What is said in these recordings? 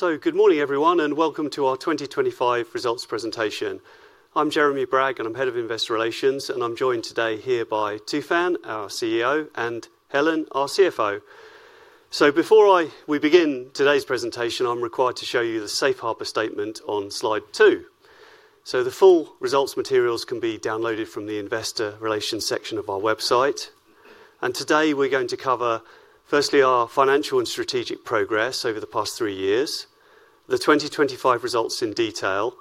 Good morning, everyone, and welcome to our 2025 results presentation. I'm Jeremy Bragg, and I'm Head of Investor Relations, and I'm joined today here by Tufan, our CEO, and Helen, our CFO. Before we begin today's presentation, I'm required to show you the safe harbor statement on slide 2. The full results materials can be downloaded from the investor relations section of our website. Today, we're going to cover, firstly, our financial and strategic progress over the past three years, the 2025 results in detail,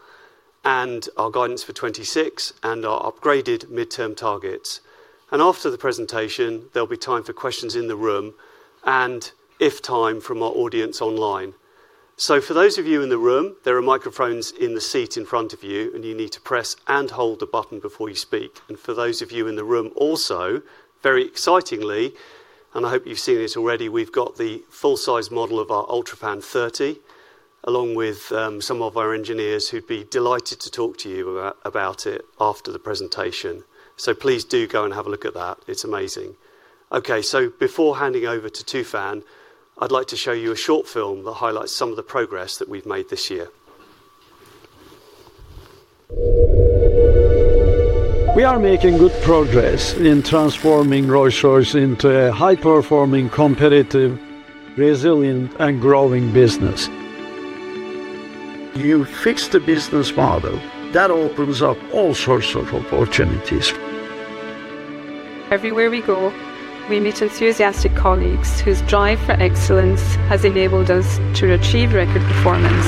and our guidance for 2026, and our upgraded midterm targets. After the presentation, there'll be time for questions in the room and, if time, from our audience online. For those of you in the room, there are microphones in the seat in front of you, and you need to press and hold the button before you speak. For those of you in the room also, very excitingly, and I hope you've seen it already, we've got the full-size model of our UltraFan 30, along with some of our engineers who'd be delighted to talk to you about it after the presentation. Please do go and have a look at that. It's amazing. Okay, before handing over to Tufan, I'd like to show you a short film that highlights some of the progress that we've made this year. We are making good progress in transforming Rolls-Royce into a high-performing, competitive, resilient, and growing business. You fix the business model, that opens up all sorts of opportunities. Everywhere we go, we meet enthusiastic colleagues whose drive for excellence has enabled us to achieve record performance.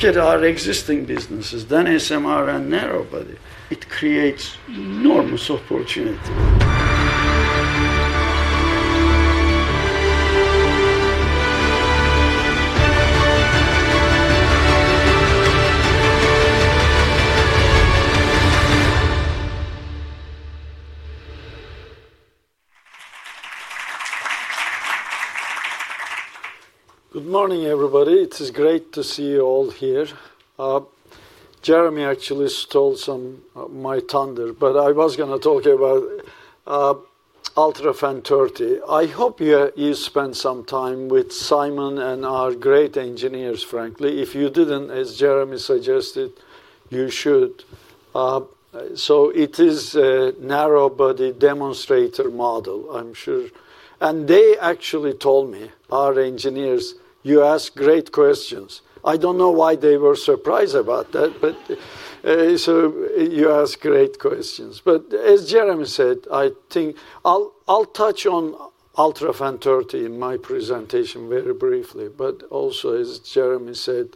If you look at our existing businesses, SMR and narrowbody, it creates enormous opportunity. Good morning, everybody. It is great to see you all here. Jeremy actually stole some my thunder. I was gonna talk about UltraFan 30. I hope you spent some time with Simon and our great engineers, frankly. If you didn't, as Jeremy suggested, you should. It is a narrowbody demonstrator model, I'm sure. They actually told me, our engineers: "You ask great questions." I don't know why they were surprised about that. You ask great questions. As Jeremy said, I think I'll touch on UltraFan 30 in my presentation very briefly. Also, as Jeremy said,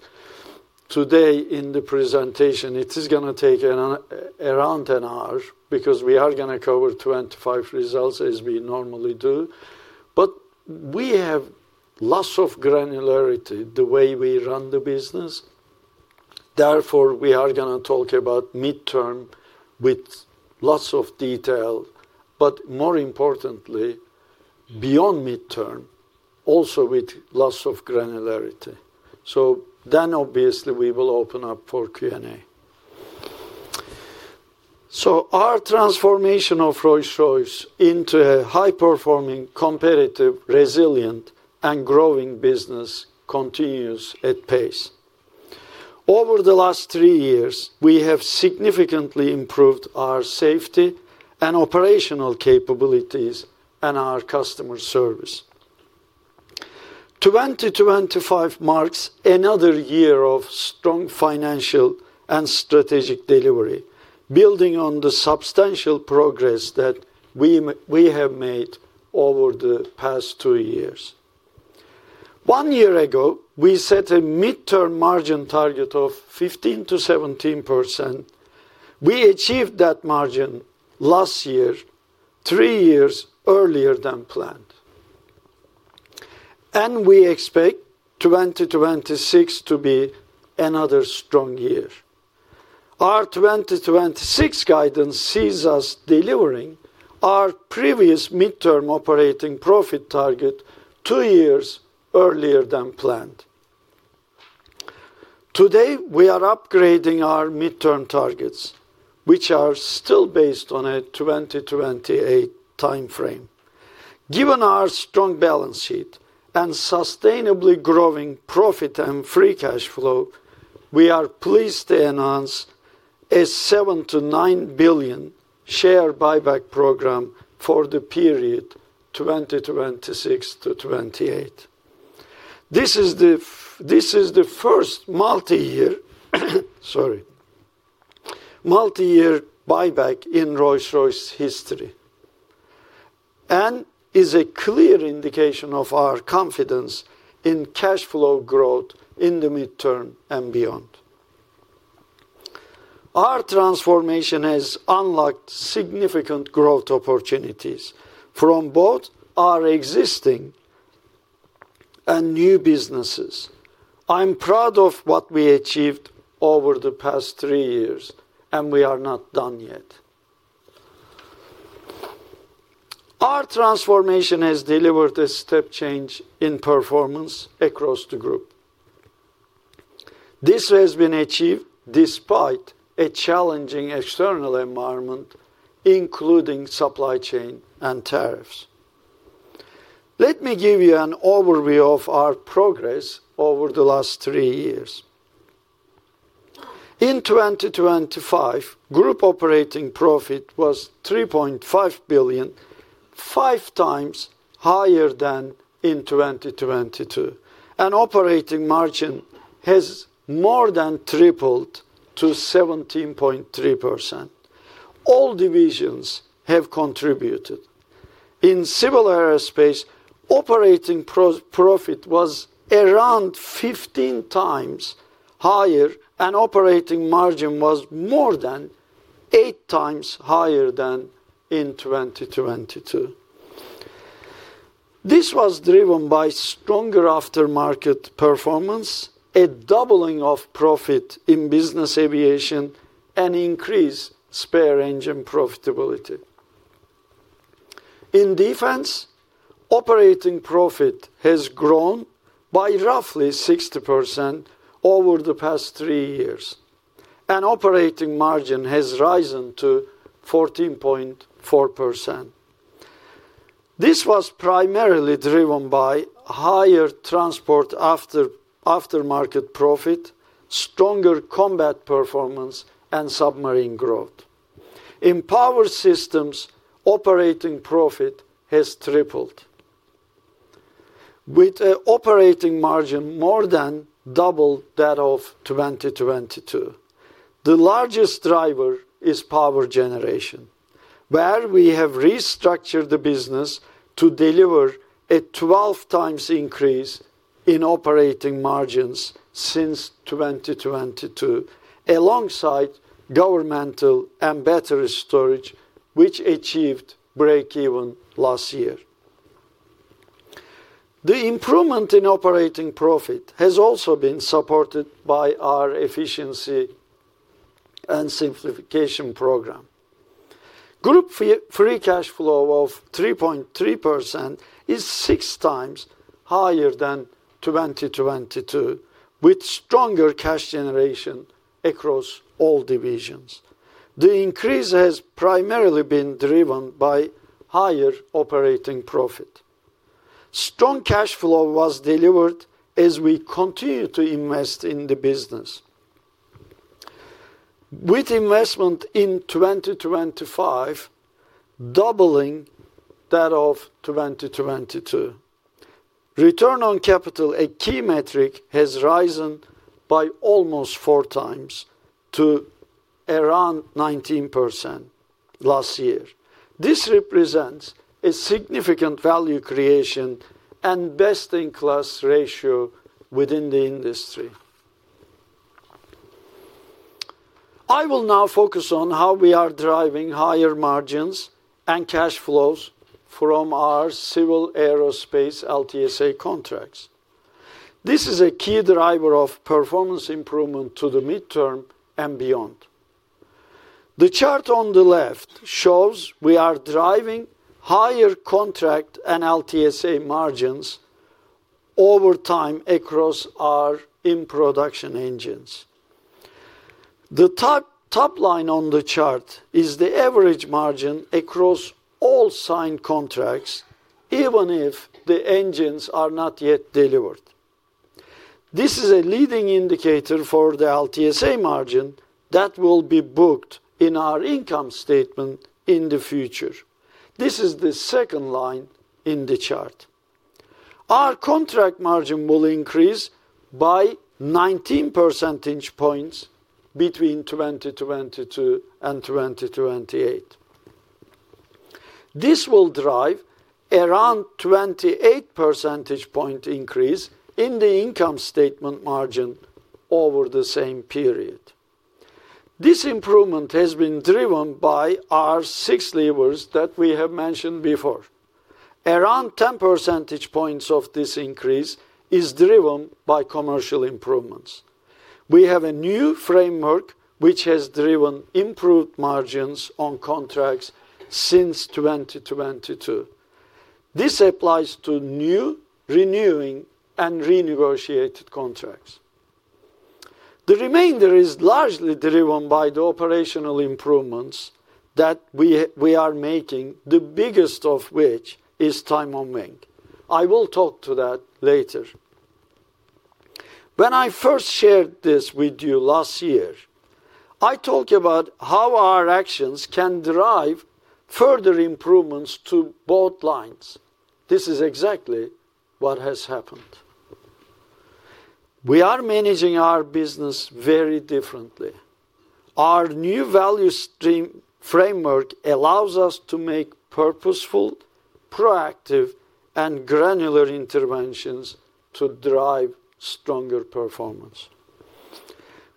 today in the presentation, it is gonna take around an hour because we are gonna cover 2025 results as we normally do. We have lots of granularity, the way we run the business. We are going to talk about midterm with lots of detail, but more importantly, beyond midterm, also with lots of granularity. Obviously, we will open up for Q&A. Our transformation of Rolls-Royce into a high-performing, competitive, resilient, and growing business continues at pace. Over the last three years, we have significantly improved our safety and operational capabilities and our customer service. 2025 marks another year of strong financial and strategic delivery, building on the substantial progress that we have made over the past two years. One year ago, we set a midterm margin target of 15%-17%. We achieved that margin last year, three years earlier than planned. We expect 2026 to be another strong year. Our 2026 guidance sees us delivering our previous midterm operating profit target two years earlier than planned. Today, we are upgrading our midterm targets, which are still based on a 2028 time frame. Given our strong balance sheet and sustainably growing profit and free cash flow, we are pleased to announce a 7 billion-9 billion share buyback program for the period 2026-2028. This is the first multi-year, sorry, multi-year buyback in Rolls-Royce history, and is a clear indication of our confidence in cash flow growth in the midterm and beyond. Our transformation has unlocked significant growth opportunities from both our existing and new businesses. I'm proud of what we achieved over the past three years, and we are not done yet. Our transformation has delivered a step change in performance across the group. This has been achieved despite a challenging external environment, including supply chain and tariffs. Let me give you an overview of our progress over the last three years. In 2025, group operating profit was 3.5 billion, 5x higher than in 2022, and operating margin has more than tripled to 17.3%. All divisions have contributed. In civil aerospace, operating profit was around 15x higher, and operating margin was more than 8x higher than in 2022. This was driven by stronger aftermarket performance, a doubling of profit in business aviation, and increased spare engine profitability. In defense, operating profit has grown by roughly 60% over the past three years, and operating margin has risen to 14.4%. This was primarily driven by higher transport aftermarket profit, stronger combat performance, and submarine growth. In power systems, operating profit has tripled, with a operating margin more than double that of 2022. The largest driver is power generation, where we have restructured the business to deliver a 12x increase in operating margins since 2022, alongside governmental and battery storage, which achieved breakeven last year. The improvement in operating profit has also been supported by our efficiency and simplification program. Group free cash flow of 3.3% is 6x higher than 2022, with stronger cash generation across all divisions. The increase has primarily been driven by higher operating profit. Strong cash flow was delivered as we continue to invest in the business. With investment in 2025 doubling that of 2022. Return on capital, a key metric, has risen by almost 4x to around 19% last year. This represents a significant value creation and best-in-class ratio within the industry. I will now focus on how we are driving higher margins and cash flows from our civil aerospace LTSA contracts. This is a key driver of performance improvement to the midterm and beyond. The chart on the left shows we are driving higher contract and LTSA margins over time across our in-production engines. The top line on the chart is the average margin across all signed contracts, even if the engines are not yet delivered. This is a leading indicator for the LTSA margin that will be booked in our income statement in the future. This is the second line in the chart. Our contract margin will increase by 19 percentage points between 2022 and 2028. This will drive around 28 percentage point increase in the income statement margin over the same period. This improvement has been driven by our six levers that we have mentioned before. Around 10 percentage points of this increase is driven by commercial improvements. We have a new framework which has driven improved margins on contracts since 2022. This applies to new, renewing, and renegotiated contracts. The remainder is largely driven by the operational improvements that we are making, the biggest of which is time on wing. I will talk to that later. When I first shared this with you last year, I talked about how our actions can derive further improvements to both lines. This is exactly what has happened. We are managing our business very differently. Our new value stream framework allows us to make purposeful, proactive, and granular interventions to drive stronger performance.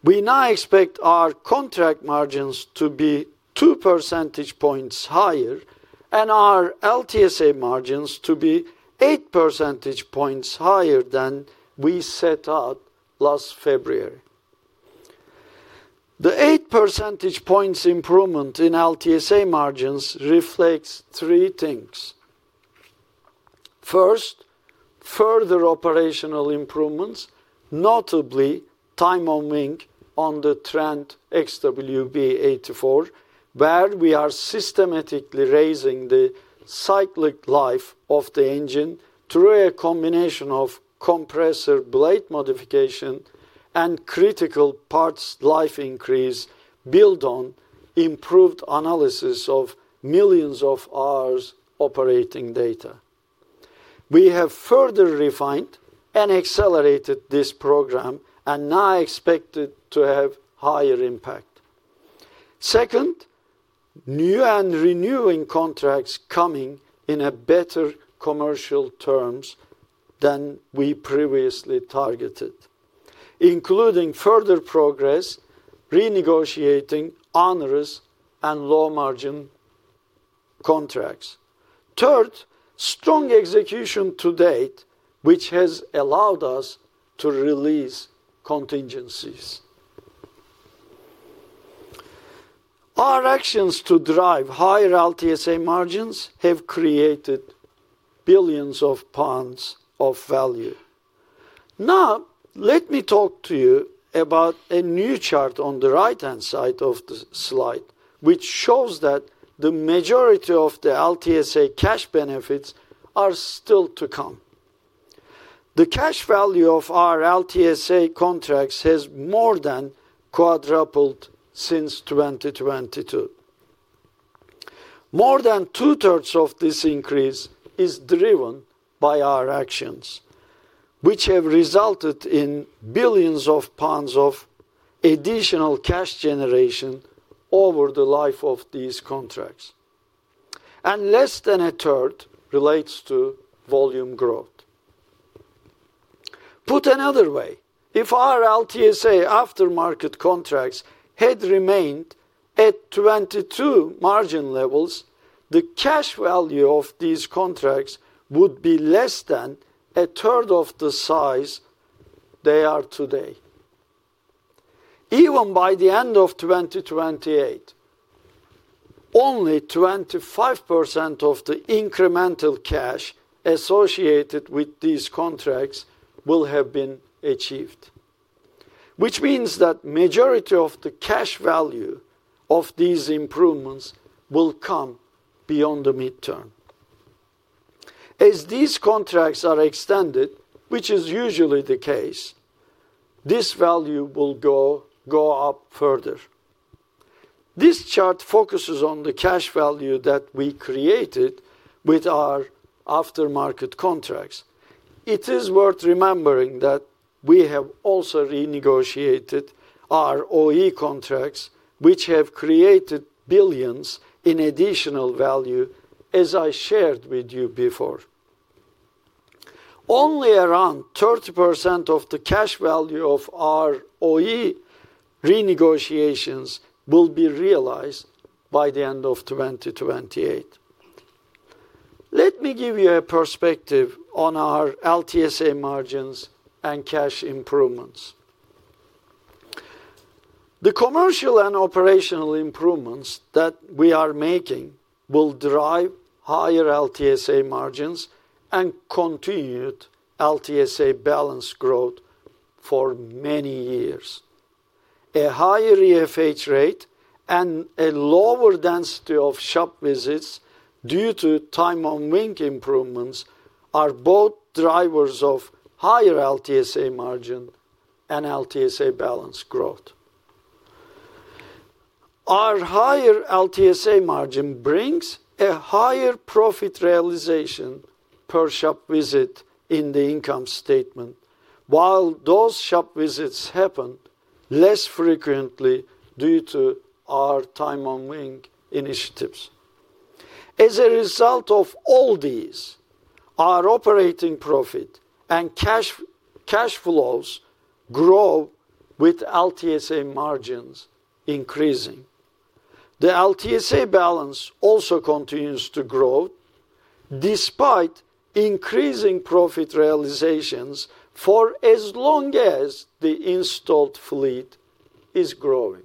We now expect our contract margins to be 2 percentage points higher, and our LTSA margins to be 8 percentage points higher than we set out last February. The 8 percentage points improvement in LTSA margins reflects three things. First, further operational improvements, notably time on wing on the Trent XWB-84, where we are systematically raising the cyclic life of the engine through a combination of compressor blade modification and critical parts life increase, build on improved analysis of millions of hours operating data. We have further refined and accelerated this program and now expect it to have higher impact. Second, new and renewing contracts coming in better commercial terms than we previously targeted, including further progress, renegotiating onerous and low-margin contracts. Third, strong execution to date, which has allowed us to release contingencies. Our actions to drive higher LTSA margins have created billions of GBP of value. Let me talk to you about a new chart on the right-hand side of the slide, which shows that the majority of the LTSA cash benefits are still to come. The cash value of our LTSA contracts has more than quadrupled since 2022. More than two-thirds of this increase is driven by our actions, which have resulted in billions pounds of additional cash generation over the life of these contracts, and less than a third relates to volume growth. Put another way, if our LTSA aftermarket contracts had remained at 2022 margin levels, the cash value of these contracts would be less than a third of the size they are today. Even by the end of 2028, only 25% of the incremental cash associated with these contracts will have been achieved, which means that majority of the cash value of these improvements will come beyond the midterm. As these contracts are extended, which is usually the case, this value will go up further. This chart focuses on the cash value that we created with our aftermarket contracts. It is worth remembering that we have also renegotiated our OE contracts, which have created billions in additional value, as I shared with you before. Only around 30% of the cash value of our OE renegotiations will be realized by the end of 2028. Let me give you a perspective on our LTSA margins and cash improvements. The commercial and operational improvements that we are making will drive higher LTSA margins and continued LTSA balance growth for many years. A higher EFH rate and a lower density of shop visits due to time on wing improvements, are both drivers of higher LTSA margin and LTSA balance growth. Our higher LTSA margin brings a higher profit realization per shop visit in the income statement, while those shop visits happen less frequently due to our time on wing initiatives. As a result of all these, our operating profit and cash flows grow with LTSA margins increasing. The LTSA balance also continues to grow, despite increasing profit realizations for as long as the installed fleet is growing.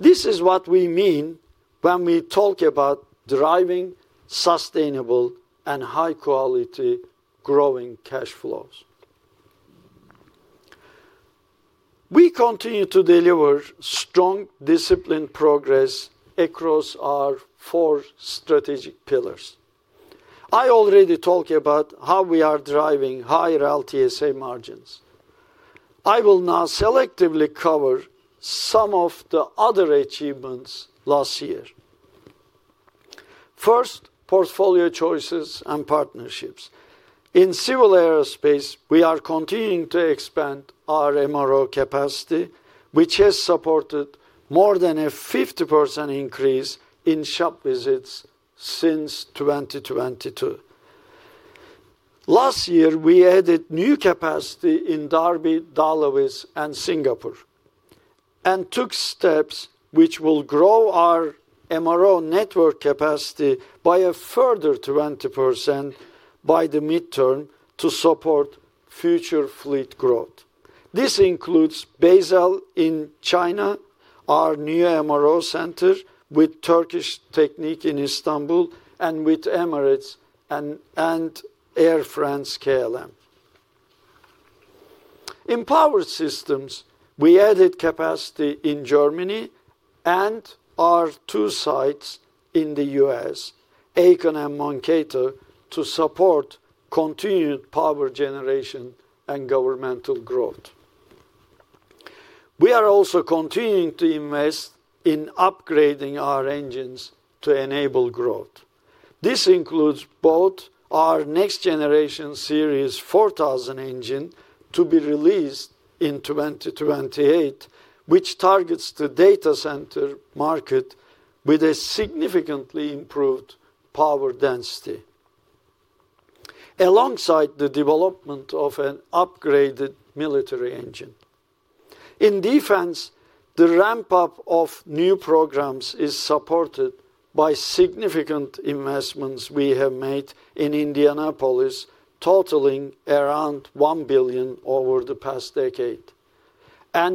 This is what we mean when we talk about driving sustainable and high quality growing cash flows. We continue to deliver strong, disciplined progress across our four strategic pillars. I already talked about how we are driving higher LTSA margins. I will now selectively cover some of the other achievements last year. First, portfolio choices and partnerships. In civil aerospace, we are continuing to expand our MRO capacity, which has supported more than a 50% increase in shop visits since 2022. Last year, we added new capacity in Derby, Dahlewitz, and Singapore, and took steps which will grow our MRO network capacity by a further 20% by the midterm to support future fleet growth. This includes BAESL in China, our new MRO center with Turkish Technic in Istanbul, and with Emirates and Air France-KLM. In power systems, we added capacity in Germany and our two sites in the U.S., Aiken and Mankato, to support continued power generation and governmental growth. We are also continuing to invest in upgrading our engines to enable growth. This includes both our next generation Series 4000 engine, to be released in 2028, which targets the data center market with a significantly improved power density, alongside the development of an upgraded military engine. In defense, the ramp up of new programs is supported by significant investments we have made in Indianapolis, totaling around 1 billion over the past decade.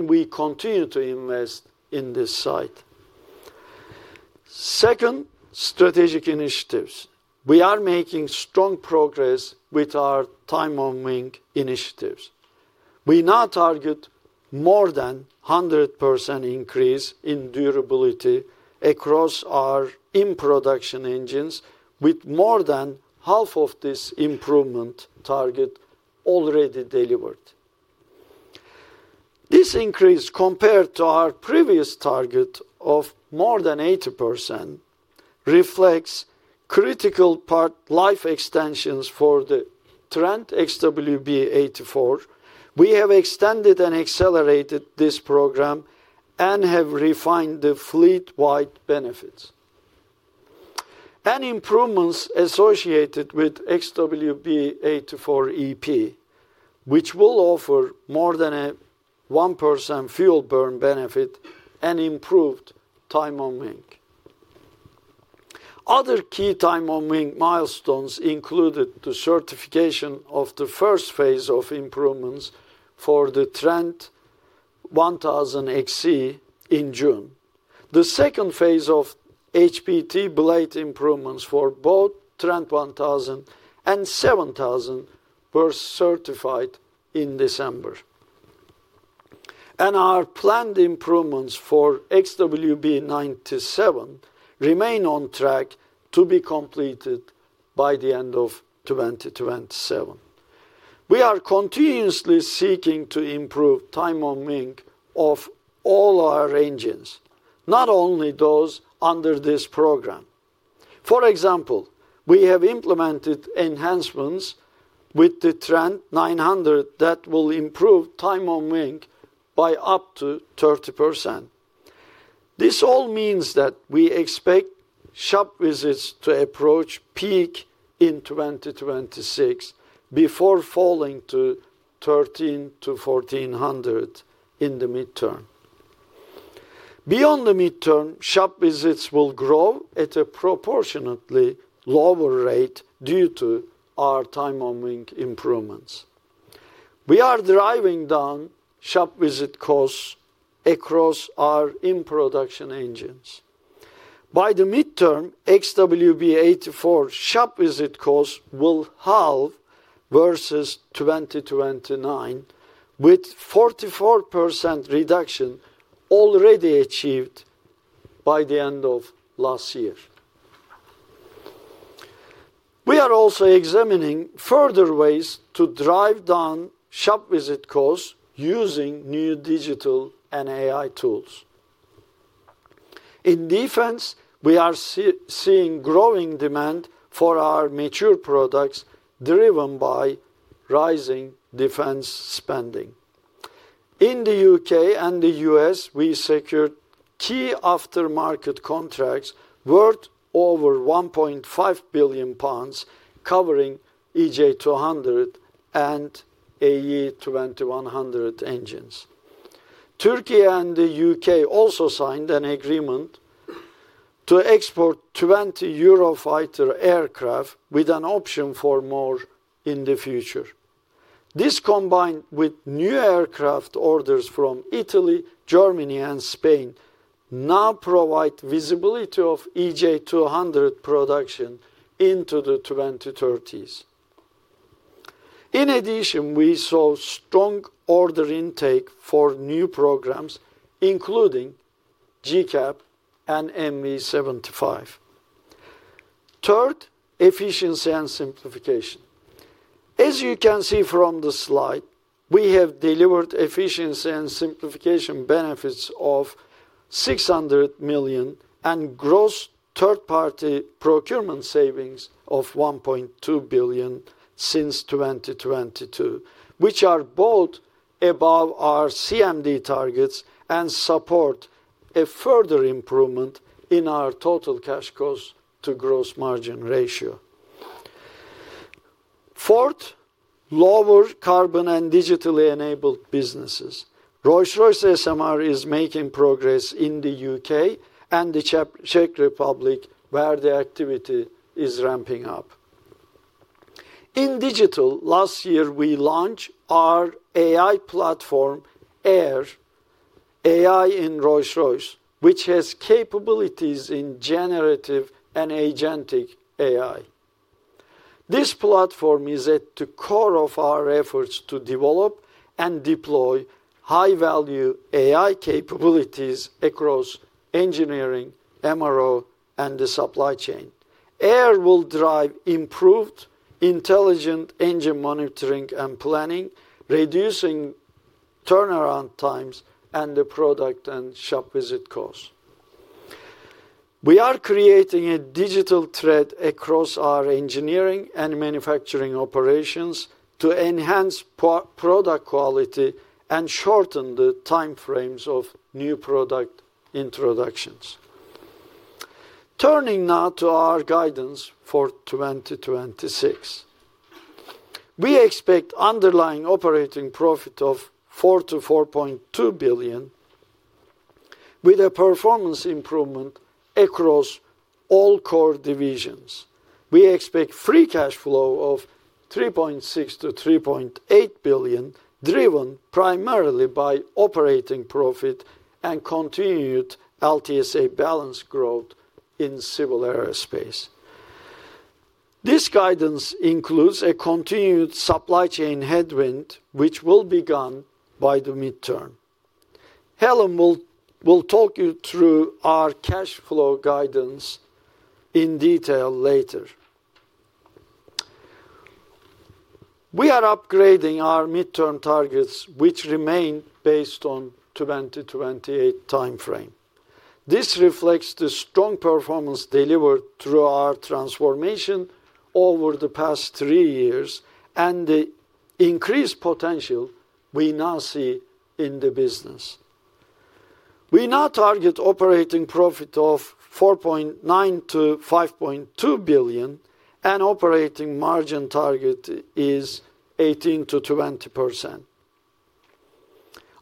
We continue to invest in this site. Second, strategic initiatives. We are making strong progress with our time on wing initiatives. We now target more than 100% increase in durability across our in-production engines, with more than half of this improvement target already delivered. This increase, compared to our previous target of more than 80%, reflects critical part life extensions for the Trent XWB-84. We have extended and accelerated this program. We have refined the fleet-wide benefits. Improvements associated with XWB-84 EP, which will offer more than a 1% fuel burn benefit and improved time on wing. Other key time on wing milestones included the certification of the first phase of improvements for the Trent 1000 XE in June. The second phase of HPT blade improvements for both Trent 1000 and 7000 were certified in December. Our planned improvements for XWB-97 remain on track to be completed by the end of 2027. We are continuously seeking to improve time on wing of all our engines, not only those under this program. For example, we have implemented enhancements with the Trent 900 that will improve time on wing by up to 30%. This all means that we expect shop visits to approach peak in 2026, before falling to 1,300-1,400 in the midterm. Beyond the midterm, shop visits will grow at a proportionately lower rate due to our time on wing improvements. We are driving down shop visit costs across our in-production engines. By the midterm, XWB-84 shop visit cost will halve versus 2029, with 44% reduction already achieved by the end of last year. We are also examining further ways to drive down shop visit costs using new digital and AI tools. In defense, we are seeing growing demand for our mature products, driven by rising defense spending. In the U.K. and the U.S., we secured key aftermarket contracts worth over 1.5 billion pounds, covering EJ200 and AE 2100 engines. Turkey and the U.K. also signed an agreement to export 20 Eurofighter aircraft, with an option for more in the future. This, combined with new aircraft orders from Italy, Germany and Spain, now provide visibility of EJ200 production into the 2030s. In addition, we saw strong order intake for new programs, including GCAP and MV-75. Third, efficiency and simplification. As you can see from the slide, we have delivered efficiency and simplification benefits of 600 million, and gross third-party procurement savings of 1.2 billion since 2022, which are both above our CMD targets, and support a further improvement in our total cash cost to gross margin ratio. Fourth, lower carbon and digitally enabled businesses. Rolls-Royce SMR is making progress in the U.K. and the Czech Republic, where the activity is ramping up. In digital, last year we launched our AI platform, AIR, AI in Rolls-Royce, which has capabilities in generative and agentic AI. This platform is at the core of our efforts to develop and deploy high-value AI capabilities across engineering, MRO, and the supply chain. AIR will drive improved intelligent engine monitoring and planning, reducing turnaround times and the product and shop visit costs. We are creating a digital thread across our engineering and manufacturing operations to enhance product quality and shorten the time frames of new product introductions. Turning now to our guidance for 2026. We expect underlying operating profit of 4 billion-4.2 billion, with a performance improvement across all core divisions. We expect free cash flow of 3.6 billion-3.8 billion, driven primarily by operating profit and continued LTSA balance growth in civil aerospace. This guidance includes a continued supply chain headwind, which will be gone by the midterm. Helen will talk you through our cash flow guidance in detail later. We are upgrading our midterm targets, which remain based on 2028 timeframe. This reflects the strong performance delivered through our transformation over the past three years, and the increased potential we now see in the business. We now target operating profit of 4.9 billion-5.2 billion, and operating margin target is 18%-20%.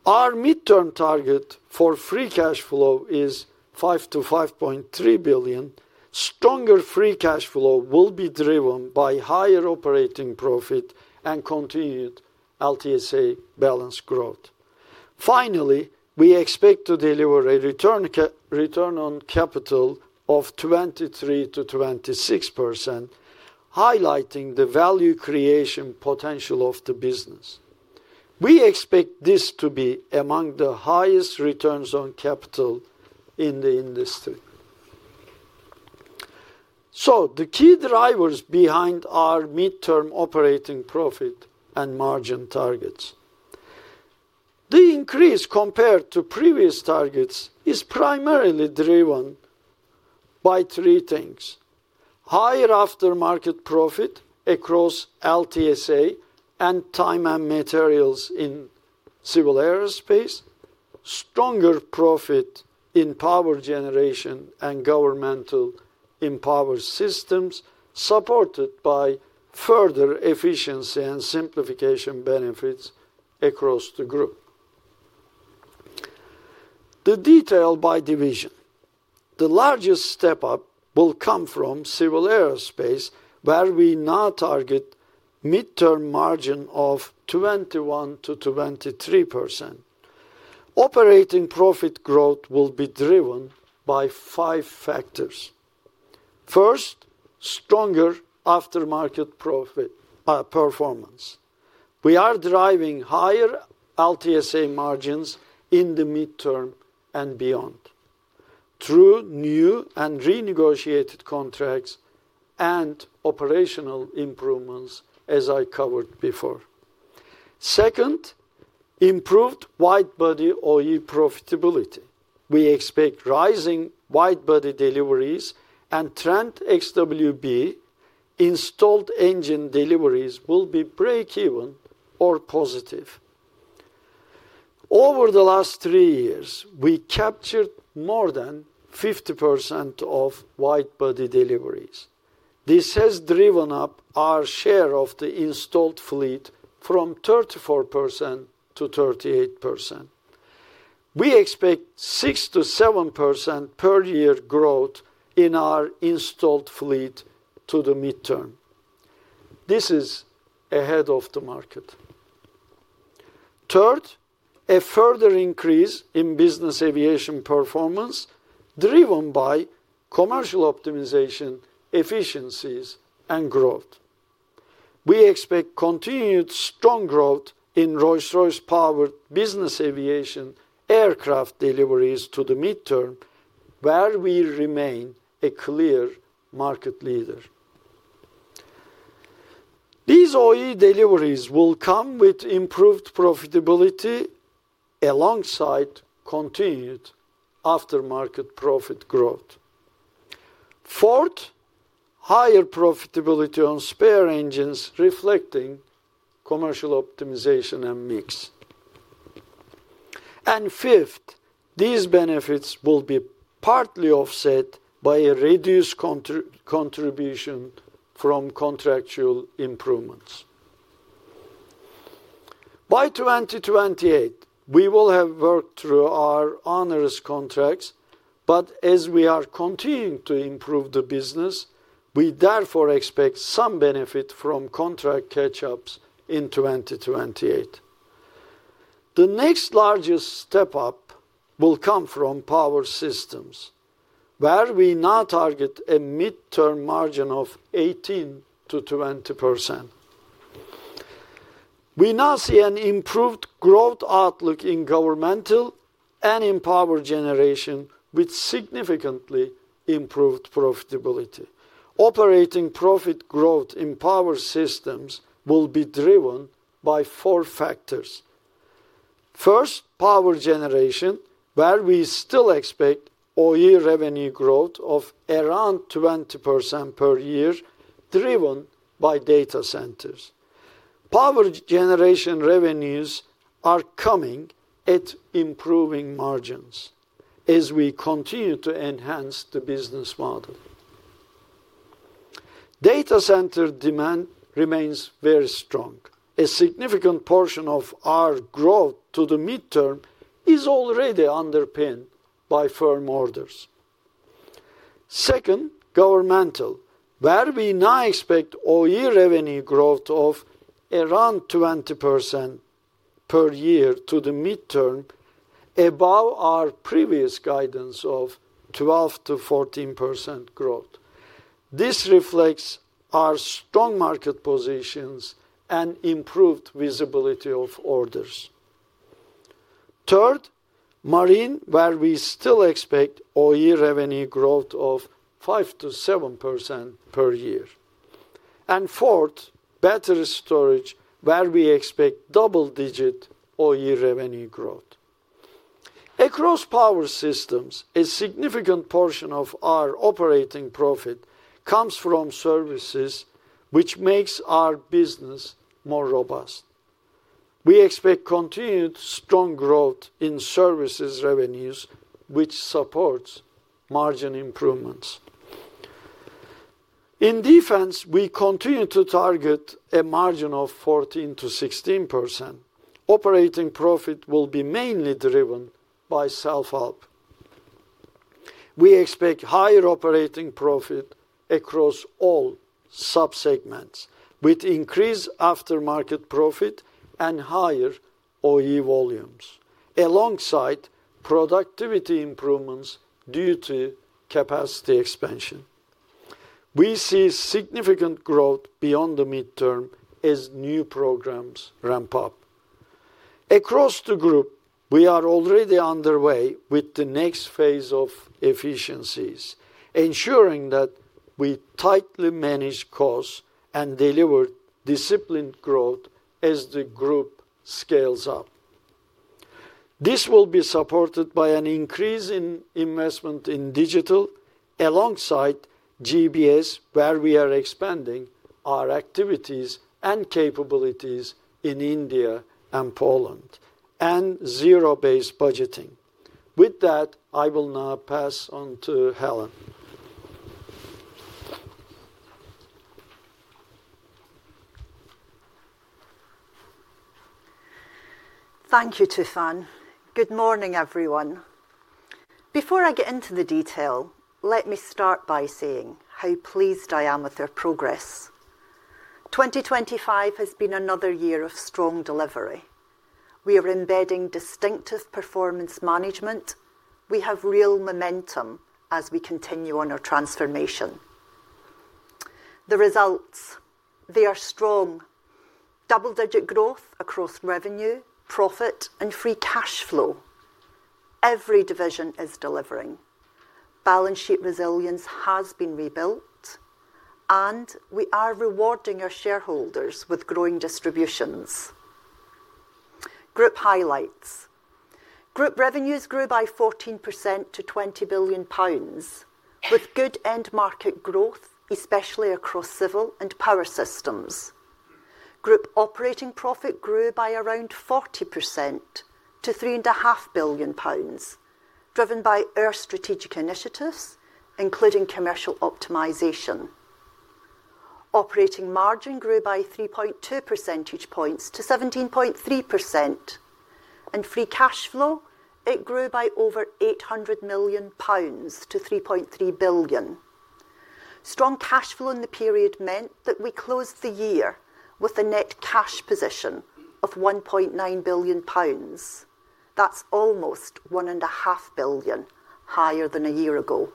Our midterm target for free cash flow is 5 billion-5.3 billion. Stronger free cash flow will be driven by higher operating profit and continued LTSA balance growth. Finally, we expect to deliver a return on capital of 23%-26%, highlighting the value creation potential of the business. We expect this to be among the highest returns on capital in the industry. The key drivers behind our midterm operating profit and margin targets. The increase compared to previous targets is primarily driven by three things: higher aftermarket profit across LTSA and time and materials in civil aerospace, stronger profit in power generation and governmental empowered systems, supported by further efficiency and simplification benefits across the group. The detail by division. The largest step-up will come from civil aerospace, where we now target midterm margin of 21%-23%. Operating profit growth will be driven by five factors. First, stronger aftermarket profit performance. We are driving higher LTSA margins in the midterm and beyond through new and renegotiated contracts and operational improvements, as I covered before. Second, improved widebody OE profitability. We expect rising widebody deliveries, and Trent XWB installed engine deliveries will be breakeven or positive. Over the last three years, we captured more than 50% of widebody deliveries. This has driven up our share of the installed fleet from 34% to 38%. We expect 6%-7% per year growth in our installed fleet to the midterm. This is ahead of the market. Third, a further increase in business aviation performance, driven by commercial optimization, efficiencies, and growth. We expect continued strong growth in Rolls-Royce powered business aviation aircraft deliveries to the midterm, where we remain a clear market leader. These OE deliveries will come with improved profitability, alongside continued aftermarket profit growth. Fourth, higher profitability on spare engines, reflecting commercial optimization and mix. Fifth, these benefits will be partly offset by a reduced contribution from contractual improvements. By 2028, we will have worked through our onerous contracts. As we are continuing to improve the business, we therefore expect some benefit from contract catch-ups in 2028. The next largest step-up will come from Power Systems, where we now target a midterm margin of 18%-20%. We now see an improved growth outlook in governmental and in power generation, with significantly improved profitability. Operating profit growth in Power Systems will be driven by four factors. First, power generation, where we still expect OE revenue growth of around 20% per year, driven by data centers. Power generation revenues are coming at improving margins as we continue to enhance the business model. Data center demand remains very strong. A significant portion of our growth to the midterm is already underpinned by firm orders. Second, governmental, where we now expect OE revenue growth of around 20% per year to the midterm, above our previous guidance of 12%-14% growth. Third, marine, where we still expect OE revenue growth of 5%-7% per year. Fourth, battery storage, where we expect double-digit OE revenue growth. Across Power Systems, a significant portion of our operating profit comes from services, which makes our business more robust. We expect continued strong growth in services revenues, which supports margin improvements. In Defense, we continue to target a margin of 14%-16%. Operating profit will be mainly driven by self-help. We expect higher operating profit across all sub-segments, with increased aftermarket profit and higher OE volumes, alongside productivity improvements due to capacity expansion. We see significant growth beyond the midterm as new programs ramp up. Across the group, we are already underway with the next phase of efficiencies, ensuring that we tightly manage costs and deliver disciplined growth as the group scales up. This will be supported by an increase in investment in digital, alongside GBS, where we are expanding our activities and capabilities in India and Poland, and zero-based budgeting. With that, I will now pass on to Helen. Thank you, Tufan. Good morning, everyone. Before I get into the detail, let me start by saying how pleased I am with our progress. 2025 has been another year of strong delivery. We are embedding distinctive performance management. We have real momentum as we continue on our transformation. The results, they are strong. Double-digit growth across revenue, profit, and free cash flow. Every division is delivering. Balance sheet resilience has been rebuilt, and we are rewarding our shareholders with growing distributions. Group highlights. Group revenues grew by 14% to 20 billion pounds, with good end market growth, especially across civil and power systems. Group operating profit grew by around 40% to 3.5 billion pounds, driven by our strategic initiatives, including commercial optimization. Operating margin grew by 3.2 percentage points to 17.3%, and free cash flow, it grew by over 800 million pounds to 3.3 billion. Strong cash flow in the period meant that we closed the year with a net cash position of 1.9 billion pounds. That's almost 1.5 billion higher than a year ago.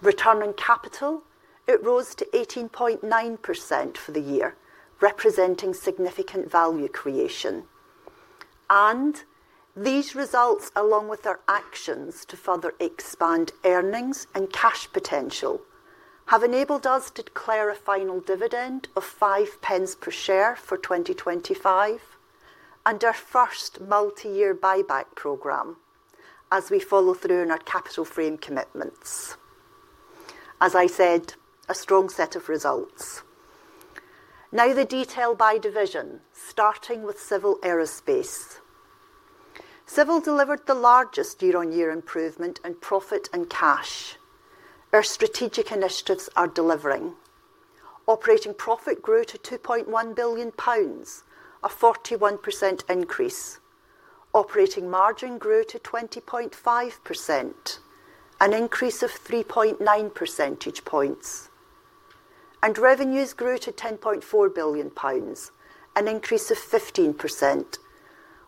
Return on capital, it rose to 18.9% for the year, representing significant value creation. These results, along with our actions to further expand earnings and cash potential, have enabled us to declare a final dividend of 5 pence per share for 2025 and our first multi-year buyback program as we follow through on our capital frame commitments. As I said, a strong set of results. Now, the detail by division, starting with Civil Aerospace. Civil delivered the largest year-on-year improvement in profit and cash. Our strategic initiatives are delivering. Operating profit grew to 2.1 billion pounds, a 41% increase. Operating margin grew to 20.5%, an increase of 3.9 percentage points. Revenues grew to 10.4 billion pounds, an increase of 15%,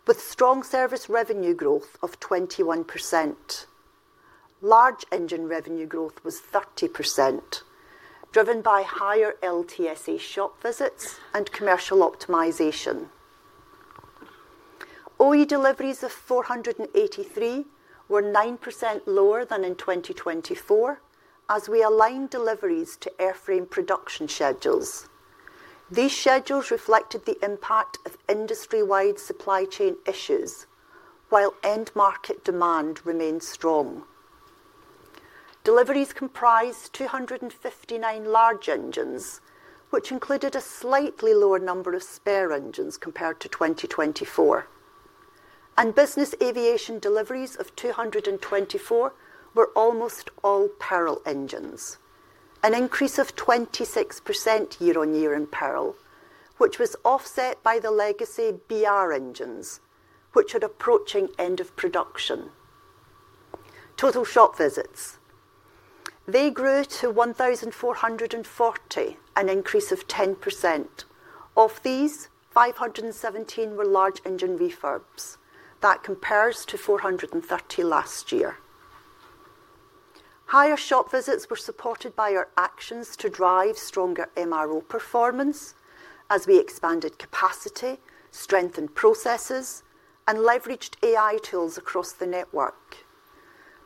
with strong service revenue growth of 21%. Large engine revenue growth was 30%, driven by higher LTSA shop visits and commercial optimization. OE deliveries of 483 were 9% lower than in 2024 as we aligned deliveries to airframe production schedules. These schedules reflected the impact of industry-wide supply chain issues, while end-market demand remained strong. Deliveries comprised 259 large engines, which included a slightly lower number of spare engines compared to 2024. Business aviation deliveries of 224 were almost all Pearl engines, an increase of 26% year-on-year in Pearl, which was offset by the legacy BR engines, which are approaching end of production. Total shop visits. They grew to 1,440, an increase of 10%. Of these, 517 were large engine refurbs. That compares to 430 last year. Higher shop visits were supported by our actions to drive stronger MRO performance as we expanded capacity, strengthened processes, and leveraged AI tools across the network.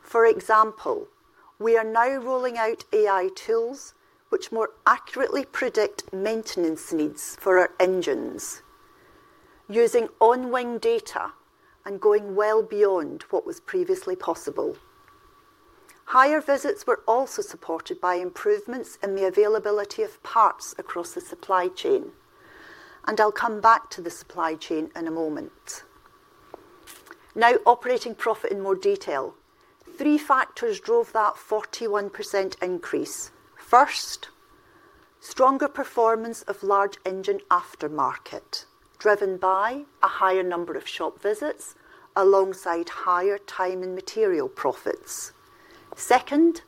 For example, we are now rolling out AI tools which more accurately predict maintenance needs for our engines using on-wing data and going well beyond what was previously possible. Higher visits were also supported by improvements in the availability of parts across the supply chain. I'll come back to the supply chain in a moment. Operating profit in more detail. Three factors drove that 41% increase. First, stronger performance of large engine aftermarket, driven by a higher number of shop visits alongside higher time and material profits. Second,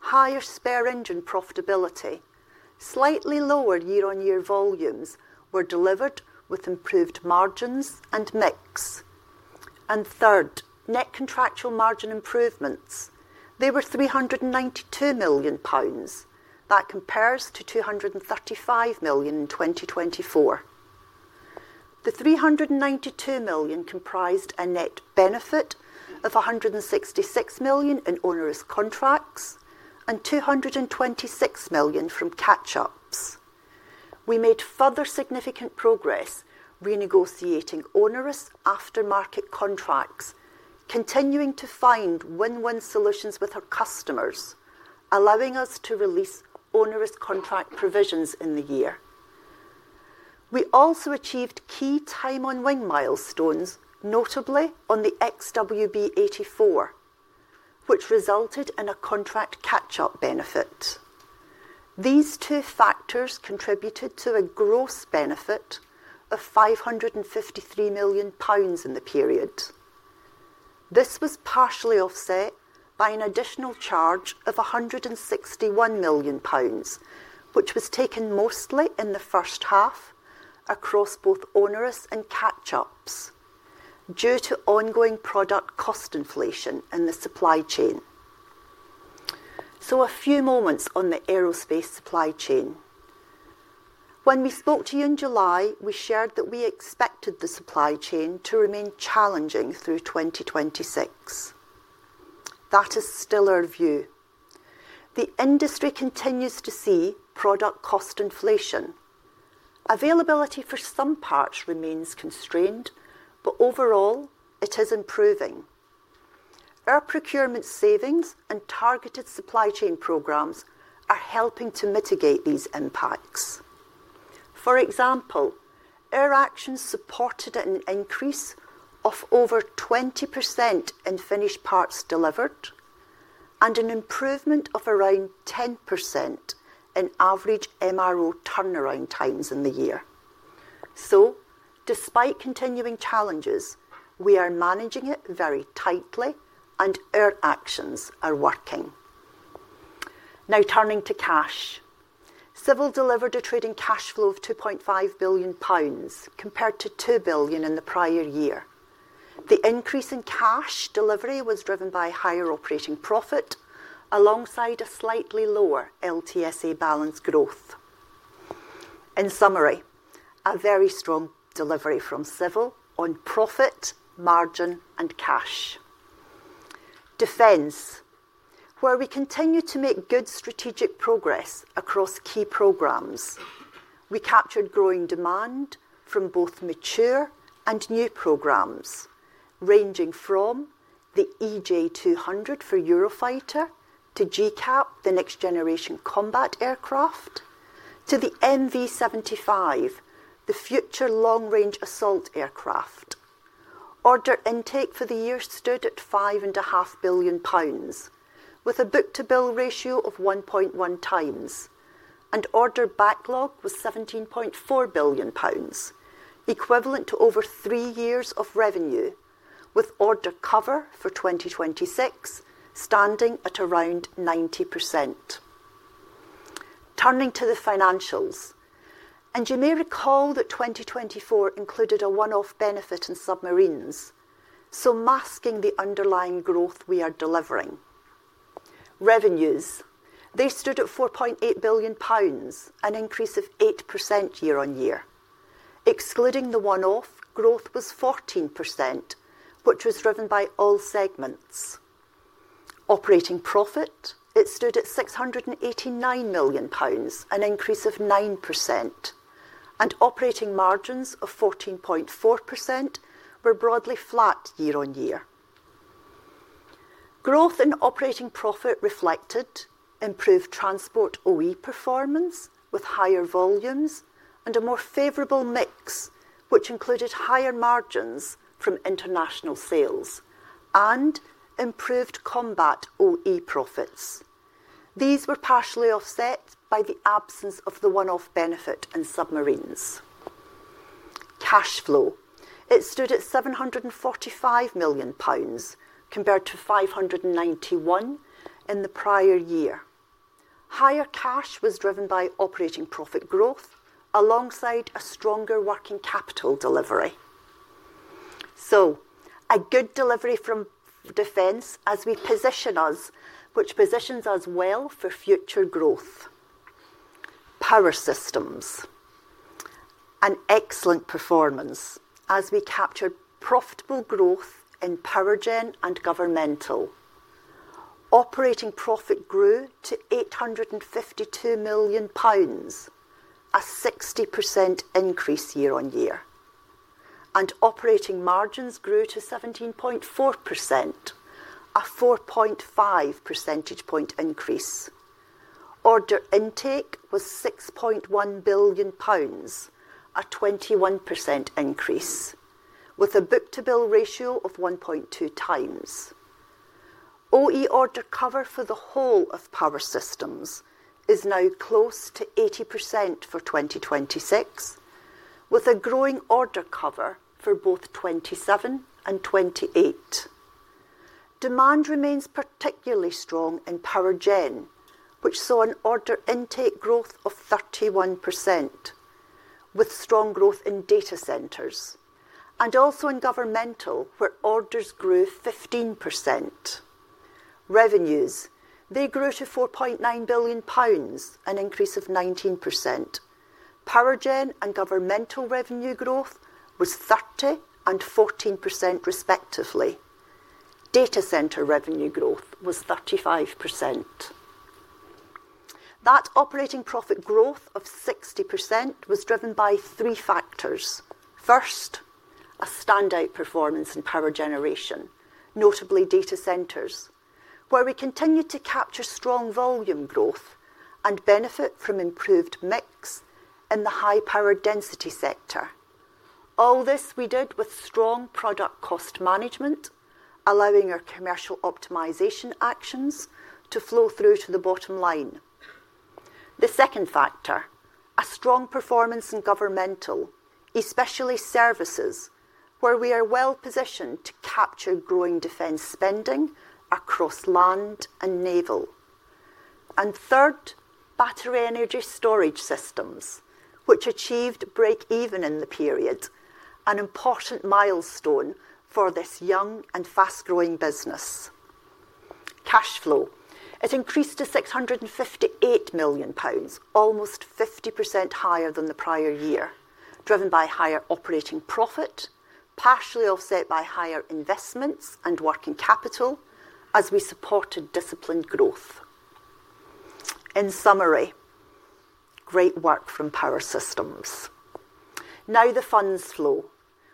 higher spare engine profitability. Slightly lower year-on-year volumes were delivered with improved margins and mix. Third, net contractual margin improvements. They were 392 million pounds. That compares to 235 million in 2024. The 392 million comprised a net benefit of 166 million in onerous contracts and 226 million from catch-ups. We made further significant progress renegotiating onerous aftermarket contracts, continuing to find win-win solutions with our customers, allowing us to release onerous contract provisions in the year. We also achieved key time on wing milestones, notably on the Trent XWB-84, which resulted in a contract catch-up benefit. These two factors contributed to a gross benefit of 553 million pounds in the period. This was partially offset by an additional charge of 161 million pounds, which was taken mostly in the first half across both onerous and catch-ups due to ongoing product cost inflation in the supply chain. A few moments on the aerospace supply chain. When we spoke to you in July, we shared that we expected the supply chain to remain challenging through 2026. That is still our view. The industry continues to see product cost inflation. Availability for some parts remains constrained, but overall, it is improving. Our procurement savings and targeted supply chain programs are helping to mitigate these impacts. For example, our actions supported an increase of over 20% in finished parts delivered and an improvement of around 10% in average MRO turnaround times in the year. Despite continuing challenges, we are managing it very tightly, and our actions are working. Turning to cash. Civil delivered a trading cash flow of 2.5 billion pounds, compared to 2 billion in the prior year. The increase in cash delivery was driven by higher operating profit, alongside a slightly lower LTSA balance growth. In summary, a very strong delivery from Civil on profit, margin, and cash. Defense, where we continue to make good strategic progress across key programs. We captured growing demand from both mature and new programs, ranging from the EJ200 for Eurofighter to GCAP, the next generation combat aircraft, to the MV-75, the future long-range assault aircraft. Order intake for the year stood at 5.5 billion pounds, with a book-to-bill ratio of 1.1x, and order backlog was 17.4 billion pounds, equivalent to over three years of revenue, with order cover for 2026 standing at around 90%. Turning to the financials, you may recall that 2024 included a one-off benefit in submarines, so masking the underlying growth we are delivering. Revenues, they stood at 4.8 billion pounds, an increase of 8% year-on-year. Excluding the one-off, growth was 14%, which was driven by all segments. Operating profit stood at 689 million pounds, an increase of 9%, operating margins of 14.4% were broadly flat year-over-year. Growth in operating profit reflected improved transport OE performance with higher volumes and a more favorable mix, which included higher margins from international sales and improved combat OE profits. These were partially offset by the absence of the one-off benefit in submarines. Cash flow stood at 745 million pounds, compared to 591 million in the prior year. Higher cash was driven by operating profit growth alongside a stronger working capital delivery. A good delivery from defense which positions us well for future growth. Power Systems, an excellent performance as we captured profitable growth in Powergen and Governmental. Operating profit grew to 852 million pounds, a 60% increase year-on-year, operating margins grew to 17.4%, a 4.5 percentage point increase. Order intake was 6.1 billion pounds, a 21% increase, with a book-to-bill ratio of 1.2x. OE order cover for the whole of Power Systems is now close to 80% for 2026, with a growing order cover for both 2027 and 2028. Demand remains particularly strong in Powergen, which saw an order intake growth of 31%, with strong growth in data centers, and also in Governmental, where orders grew 15%. Revenues grew to 4.9 billion pounds, an increase of 19%. Powergen and Governmental revenue growth was 30% and 14%, respectively. Data center revenue growth was 35%. That operating profit growth of 60% was driven by three factors. First, a standout performance in power generation, notably data centers, where we continued to capture strong volume growth and benefit from improved mix in the high power density sector. All this we did with strong product cost management, allowing our commercial optimization actions to flow through to the bottom line. The second factor, a strong performance in governmental, especially services, where we are well-positioned to capture growing defense spending across land and naval. Third, battery energy storage systems, which achieved break-even in the period, an important milestone for this young and fast-growing business. Cash flow, it increased to 658 million pounds, almost 50% higher than the prior year, driven by higher operating profit, partially offset by higher investments and working capital as we supported disciplined growth. In summary, great work from Power Systems. Now the funds flow.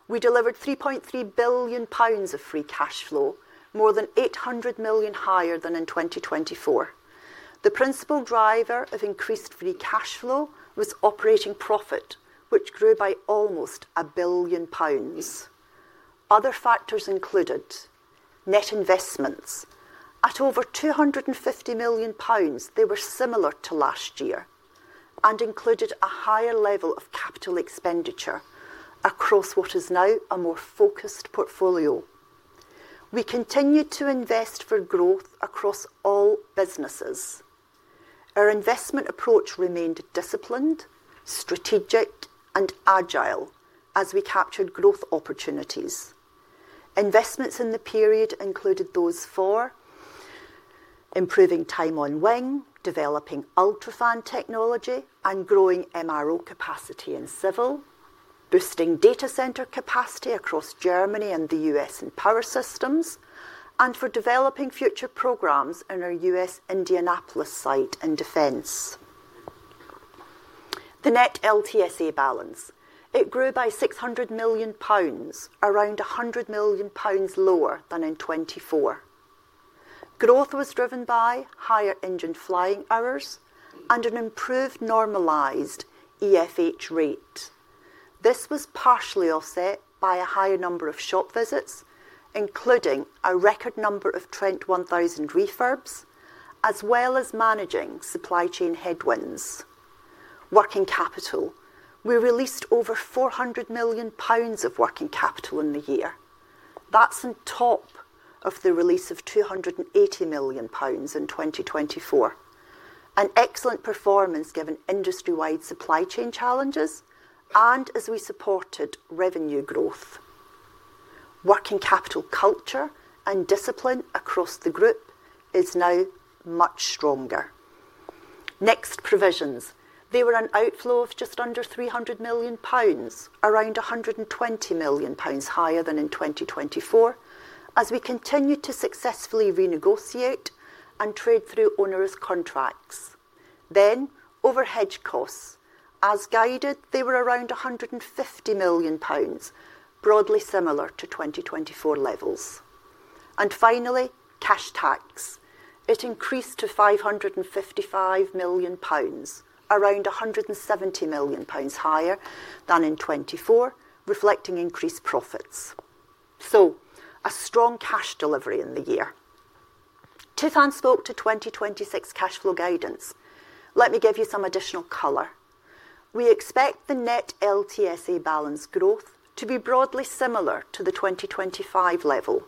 We delivered 3.3 billion pounds of free cash flow, more than 800 million higher than in 2024. The principal driver of increased free cash flow was operating profit, which grew by almost 1 billion pounds. Other factors included net investments. At over 250 million pounds, they were similar to last year and included a higher level of capital expenditure across what is now a more focused portfolio. We continued to invest for growth across all businesses. Our investment approach remained disciplined, strategic, and agile as we captured growth opportunities. Investments in the period included those for improving time on wing, developing UltraFan technology, and growing MRO capacity in Civil, boosting data center capacity across Germany and the U.S. in Power Systems, and for developing future programs in our U.S. Indianapolis site in Defense. The net LTSE balance, it grew by 600 million pounds, around 100 million pounds lower than in 2024. Growth was driven by higher engine flying hours and an improved normalized EFH rate. This was partially offset by a higher number of shop visits, including a record number of Trent 1000 refurbs, as well as managing supply chain headwinds. Working capital. We released over 400 million pounds of working capital in the year. That's on top of the release of 280 million pounds in 2024. An excellent performance, given industry-wide supply chain challenges and as we supported revenue growth. Working capital culture and discipline across the group is now much stronger. Next, provisions. They were an outflow of just under 300 million pounds, around 120 million pounds higher than in 2024, as we continued to successfully renegotiate and trade through onerous contracts. Over hedge costs, as guided, they were around 150 million pounds, broadly similar to 2024 levels. Finally, cash tax. It increased to 555 million pounds, around 170 million pounds higher than in 2024, reflecting increased profits. A strong cash delivery in the year. Tufan spoke to 2026 cash flow guidance. Let me give you some additional color. We expect the net LTSE balance growth to be broadly similar to the 2025 level.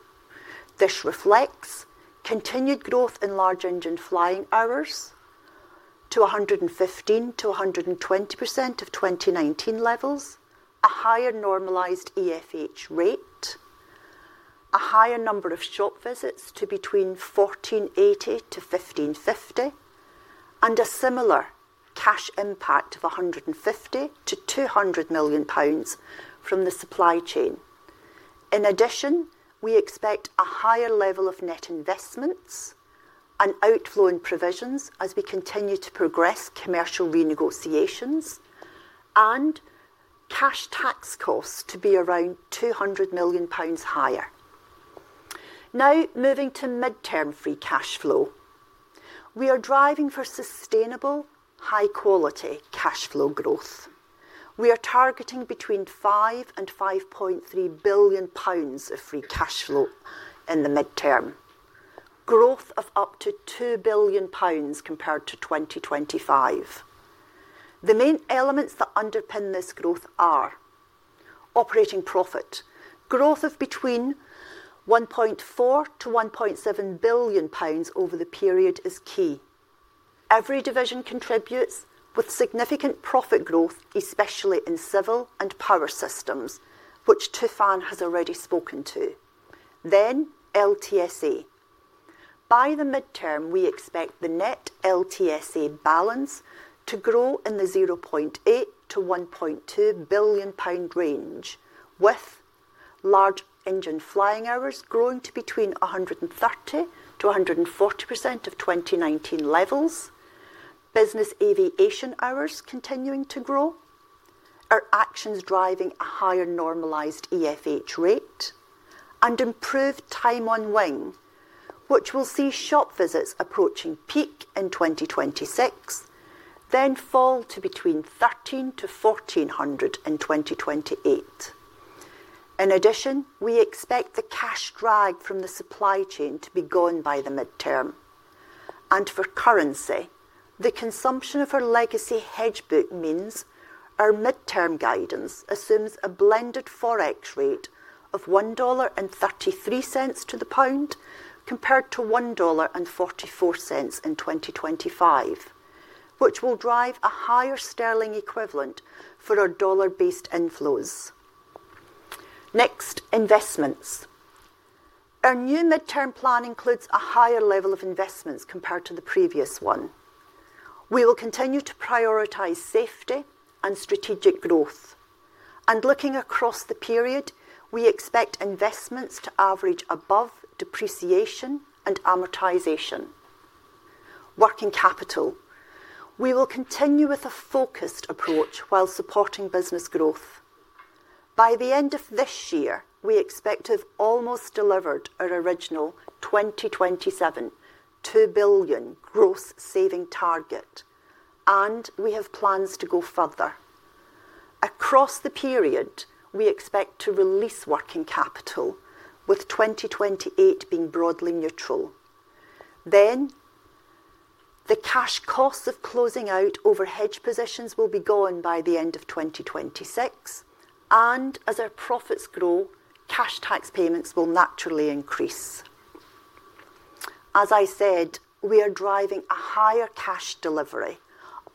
This reflects continued growth in large engine flying hours to 115%-120% of 2019 levels, a higher normalized EFH rate, a higher number of shop visits to between 1,480-1,550, and a similar cash impact of 150 million-200 million pounds from the supply chain. We expect a higher level of net investments and outflow in provisions as we continue to progress commercial renegotiations, and cash tax costs to be around 200 million pounds higher. Moving to midterm free cash flow. We are driving for sustainable, high-quality cash flow growth. We are targeting between 5 billion and 5.3 billion pounds of free cash flow in the midterm, growth of up to 2 billion pounds compared to 2025. The main elements that underpin this growth are operating profit. Growth of between 1.4 billion-1.7 billion pounds over the period is key. Every division contributes with significant profit growth, especially in Civil and Power Systems, which Tufan has already spoken to. LTSE. By the midterm, we expect the net LTSE balance to grow in the 0.8 billion-1.2 billion pound range, with large engine flying hours growing to between 130%-140% of 2019 levels, business aviation hours continuing to grow, our actions driving a higher normalized EFH rate, and improved time on wing, which will see shop visits approaching peak in 2026, then fall to between 1,300-1,400 in 2028. In addition, we expect the cash drag from the supply chain to be gone by the midterm. For currency, the consumption of our legacy hedge book means our midterm guidance assumes a blended Forex rate of $1.33 to the pound, compared to $1.44 in 2025, which will drive a higher sterling equivalent for our dollar-based inflows. Next, investments. Our new midterm plan includes a higher level of investments compared to the previous one. We will continue to prioritize safety and strategic growth. Looking across the period, we expect investments to average above depreciation and amortization. Working capital. We will continue with a focused approach while supporting business growth. By the end of this year, we expect to have almost delivered our original 2027 2 billion growth saving target, and we have plans to go further. Across the period, we expect to release working capital, with 2028 being broadly neutral. The cash costs of closing out over hedge positions will be gone by the end of 2026, and as our profits grow, cash tax payments will naturally increase. As I said, we are driving a higher cash delivery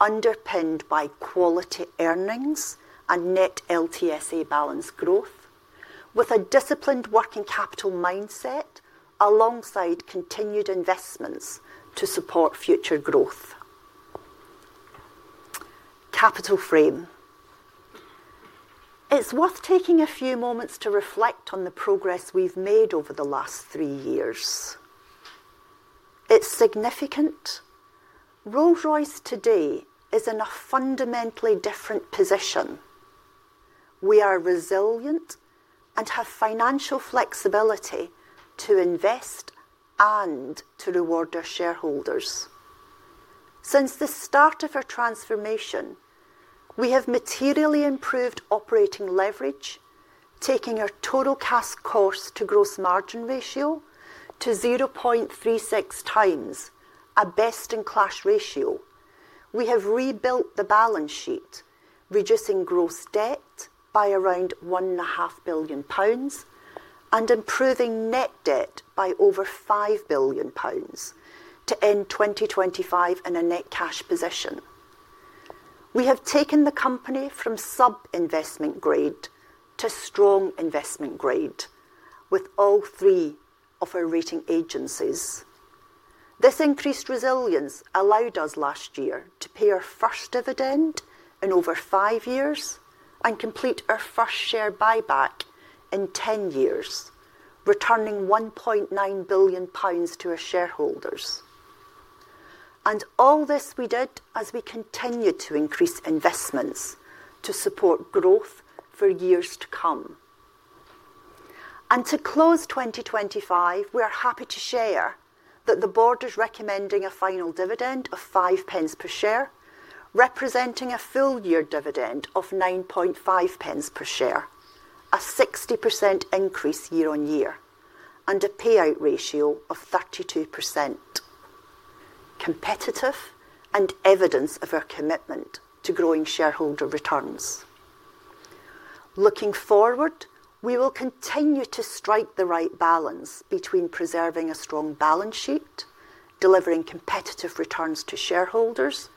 underpinned by quality earnings and net LTSE balance growth, with a disciplined working capital mindset alongside continued investments to support future growth. Capital frame. It's worth taking a few moments to reflect on the progress we've made over the last three years. It's significant. Rolls-Royce today is in a fundamentally different position. We are resilient and have financial flexibility to invest and to reward our shareholders. Since the start of our transformation, we have materially improved operating leverage, taking our total cash cost to gross margin ratio to 0.36x, a best-in-class ratio. We have rebuilt the balance sheet, reducing gross debt by around one and a half billion GBP and improving net debt by over 5 billion pounds to end 2025 in a net cash position. We have taken the company from sub-investment grade to strong investment grade with all three of our rating agencies. This increased resilience allowed us last year to pay our first dividend in over five years and complete our first share buyback in 10 years, returning 1.9 billion pounds to our shareholders. All this we did as we continued to increase investments to support growth for years to come. To close 2025, we are happy to share that the board is recommending a final dividend of 0.05 per share, representing a full year dividend of 0.095 per share, a 60% increase year-on-year, and a payout ratio of 32%. Competitive and evidence of our commitment to growing shareholder returns. Looking forward, we will continue to strike the right balance between preserving a strong balance sheet, delivering competitive returns to shareholders,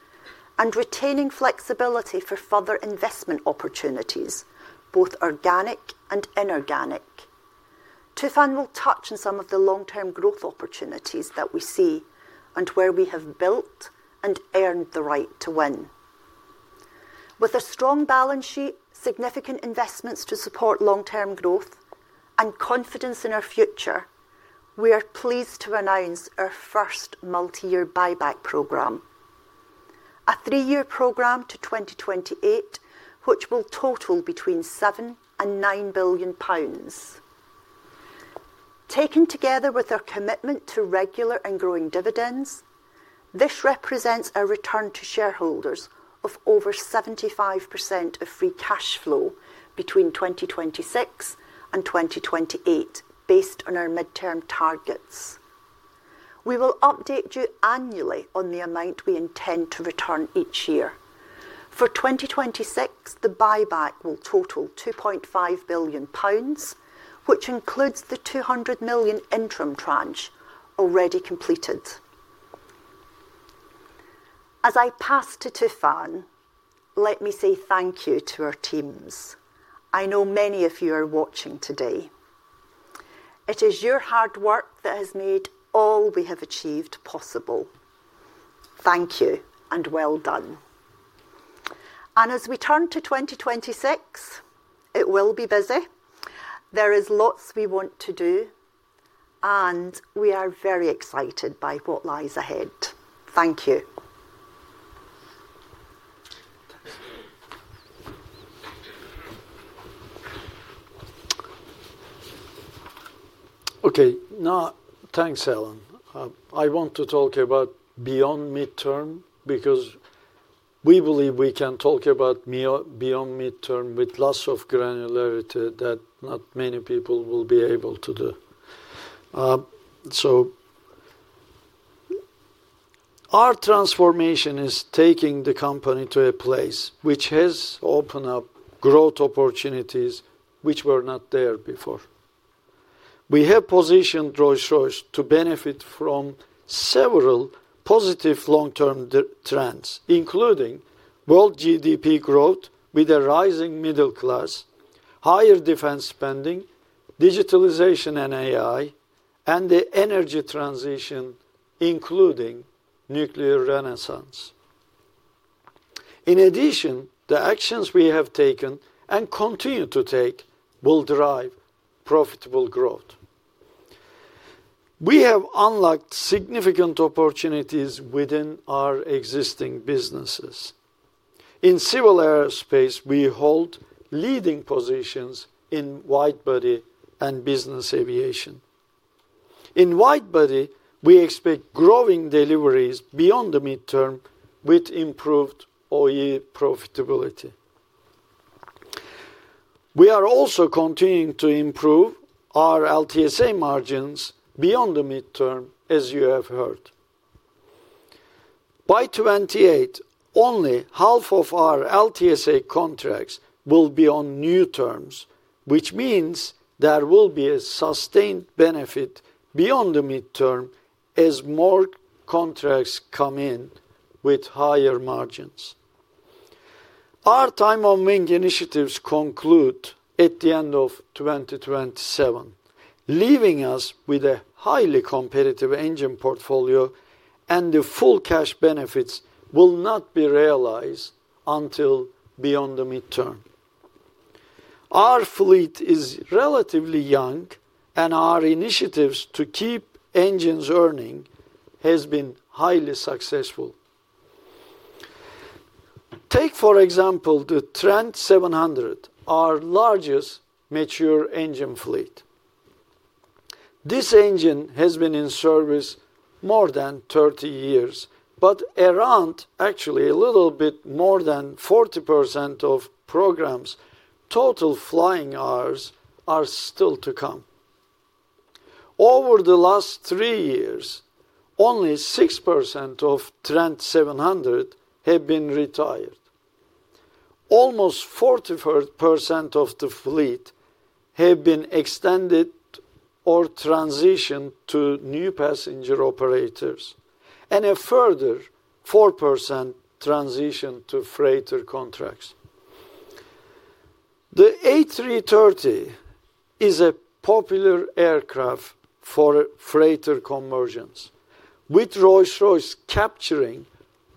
and retaining flexibility for further investment opportunities, both organic and inorganic. Tufan will touch on some of the long-term growth opportunities that we see and where we have built and earned the right to win. With a strong balance sheet, significant investments to support long-term growth, and confidence in our future, we are pleased to announce our first multi-year buyback program, a three-year program to 2028, which will total between 7 billion and 9 billion pounds. Taken together with our commitment to regular and growing dividends, this represents a return to shareholders of over 75% of free cash flow between 2026 and 2028, based on our midterm targets. We will update you annually on the amount we intend to return each year. For 2026, the buyback will total 2.5 billion pounds, which includes the 200 million interim tranche already completed. As I pass to Tufan, let me say thank you to our teams. I know many of you are watching today. It is your hard work that has made all we have achieved possible. Thank you, and well done. As we turn to 2026, it will be busy. There is lots we want to do, and we are very excited by what lies ahead. Thank you. Okay, now, thanks, Helen. I want to talk about beyond midterm, because we believe we can talk about beyond midterm with lots of granularity that not many people will be able to do. Our transformation is taking the company to a place which has opened up growth opportunities which were not there before. We have positioned Rolls-Royce to benefit from several positive long-term trends, including world GDP growth with a rising middle class, higher defense spending, digitalization and AI, and the energy transition, including nuclear renaissance. In addition, the actions we have taken, and continue to take, will drive profitable growth. We have unlocked significant opportunities within our existing businesses. In civil aerospace, we hold leading positions in widebody and business aviation. In widebody, we expect growing deliveries beyond the midterm with improved OE profitability. We are also continuing to improve our LTSA margins beyond the midterm, as you have heard. By 28, only half of our LTSA contracts will be on new terms, which means there will be a sustained benefit beyond the midterm as more contracts come in with higher margins. Our time on wing initiatives conclude at the end of 2027, leaving us with a highly competitive engine portfolio, and the full cash benefits will not be realized until beyond the midterm. Our fleet is relatively young, and our initiatives to keep engines earning has been highly successful. Take, for example, the Trent 700, our largest mature engine fleet. This engine has been in service more than 30 years, but around, actually a little bit more than 40% of program's total flying hours are still to come. Over the last three years, only 6% of Trent 700 have been retired. Almost 43% of the fleet have been extended or transitioned to new passenger operators, and a further 4% transitioned to freighter contracts. The A330 is a popular aircraft for freighter conversions, with Rolls-Royce capturing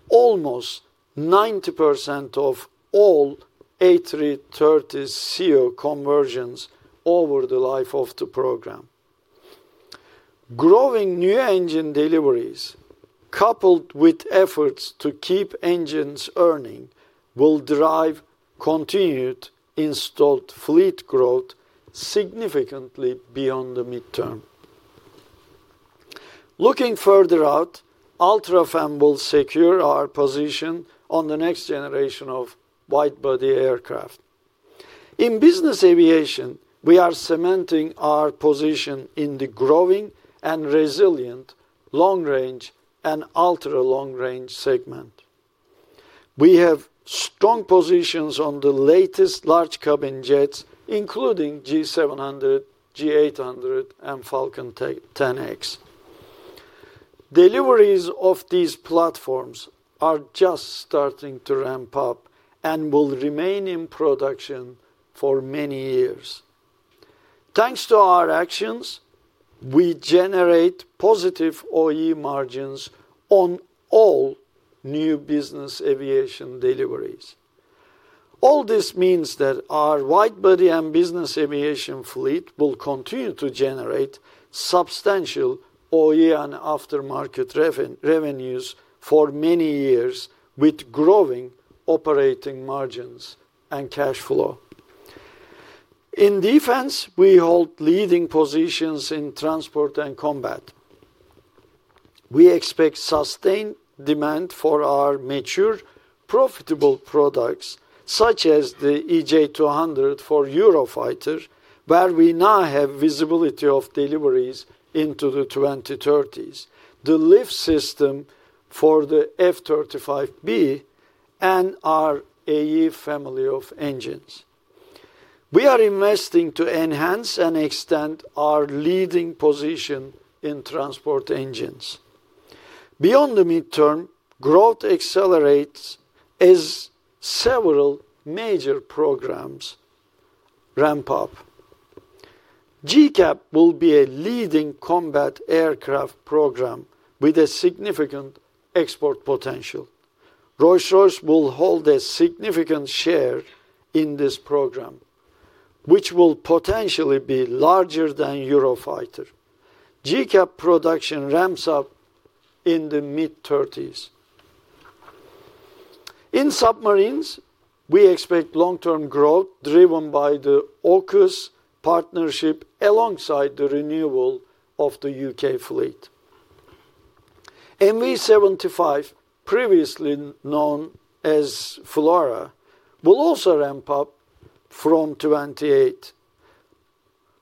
almost 90% of all A330ceo conversions over the life of the program. Growing new engine deliveries, coupled with efforts to keep engines earning, will drive continued installed fleet growth significantly beyond the midterm. Looking further out, UltraFan will secure our position on the next generation of widebody aircraft. In business aviation, we are cementing our position in the growing and resilient long-range and ultra-long range segment. We have strong positions on the latest large cabin jets, including G700, G800, and Falcon 10X. Deliveries of these platforms are just starting to ramp up and will remain in production for many years. Thanks to our actions, we generate positive OE margins on all new business aviation deliveries. All this means that our widebody and business aviation fleet will continue to generate substantial OE and aftermarket revenues for many years, with growing operating margins and cash flow. In defense, we hold leading positions in transport and combat. We expect sustained demand for our mature, profitable products, such as the EJ200 for Eurofighter, where we now have visibility of deliveries into the twenty-thirties. The lift system for the F-35B and our AE family of engines. We are investing to enhance and extend our leading position in transport engines. Beyond the midterm, growth accelerates as several major programs ramp up. GCAP will be a leading combat aircraft program with a significant export potential. Rolls-Royce will hold a significant share in this program, which will potentially be larger than Eurofighter. GCAP production ramps up in the mid-2030s. In submarines, we expect long-term growth, driven by the AUKUS partnership, alongside the renewal of the U.K. fleet. MV-75, previously known as FLRAA, will also ramp up from 28,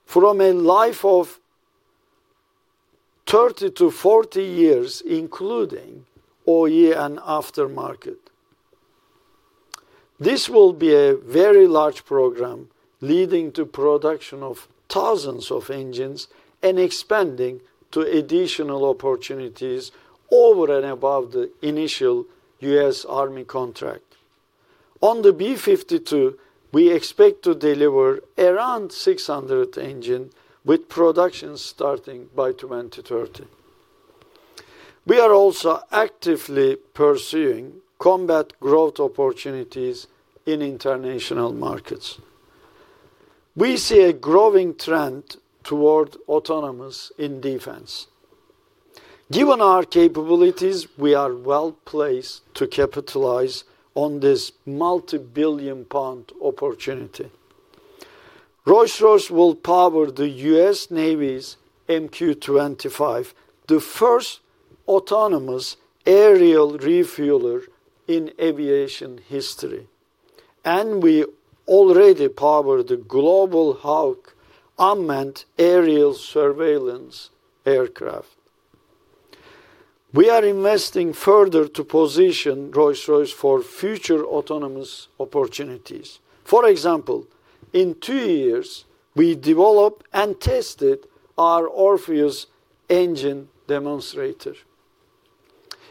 from a life of 30-40 years, including OE and aftermarket. This will be a very large program, leading to production of thousands of engines and expanding to additional opportunities over and above the initial U.S. Army contract. On the B-52, we expect to deliver around 600 engine, with production starting by 2030. We are also actively pursuing combat growth opportunities in international markets. We see a growing trend toward autonomous in defense. Given our capabilities, we are well-placed to capitalize on this multi-billion pound opportunity. Rolls-Royce will power the U.S. Navy's MQ-25, the first autonomous aerial refueler in aviation history. We already power the Global Hawk unmanned aerial surveillance aircraft. We are investing further to position Rolls-Royce for future autonomous opportunities. For example, in two years, we developed and tested our Orpheus engine demonstrator.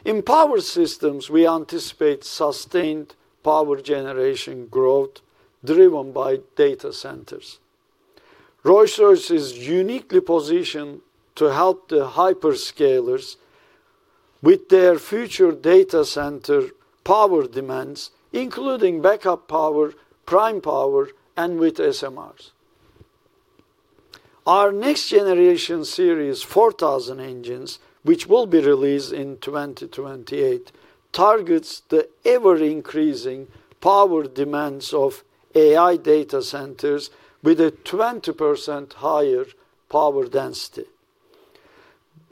In power systems, we anticipate sustained power generation growth, driven by data centers. Rolls-Royce is uniquely positioned to help the hyperscalers with their future data center power demands, including backup power, prime power, and with SMRs. Our next generation Series 4000 engines, which will be released in 2028, targets the ever-increasing power demands of AI data centers with a 20% higher power density.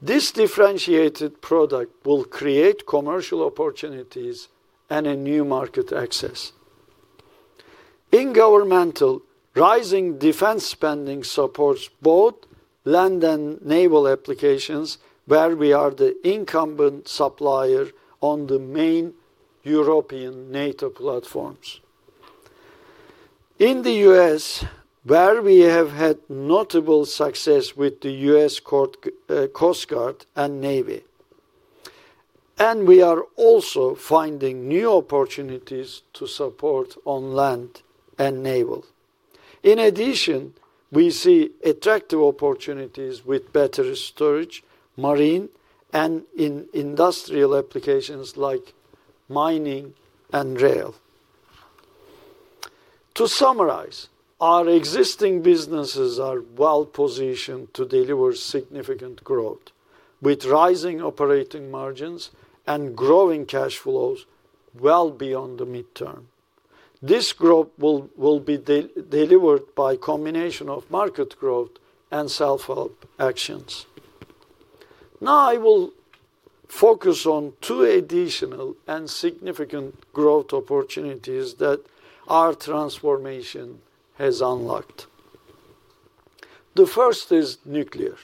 This differentiated product will create commercial opportunities and a new market access. In governmental, rising defense spending supports both land and naval applications, where we are the incumbent supplier on the main European NATO platforms. In the U.S., where we have had notable success with the Coast Guard and Navy, We are also finding new opportunities to support on land and naval. In addition, we see attractive opportunities with battery storage, marine, and in industrial applications like mining and rail. To summarize, our existing businesses are well-positioned to deliver significant growth, with rising operating margins and growing cash flows well beyond the midterm. This growth will be delivered by combination of market growth and self-help actions. Now, I will focus on two additional and significant growth opportunities that our transformation has unlocked. The first is nuclear.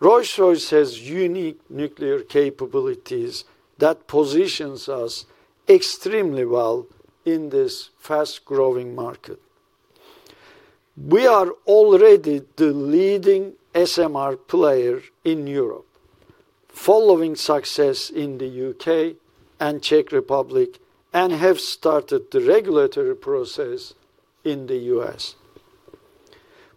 Rolls-Royce has unique nuclear capabilities that positions us extremely well in this fast-growing market. We are already the leading SMR player in Europe, following success in the U.K. and Czech Republic, have started the regulatory process in the U.S.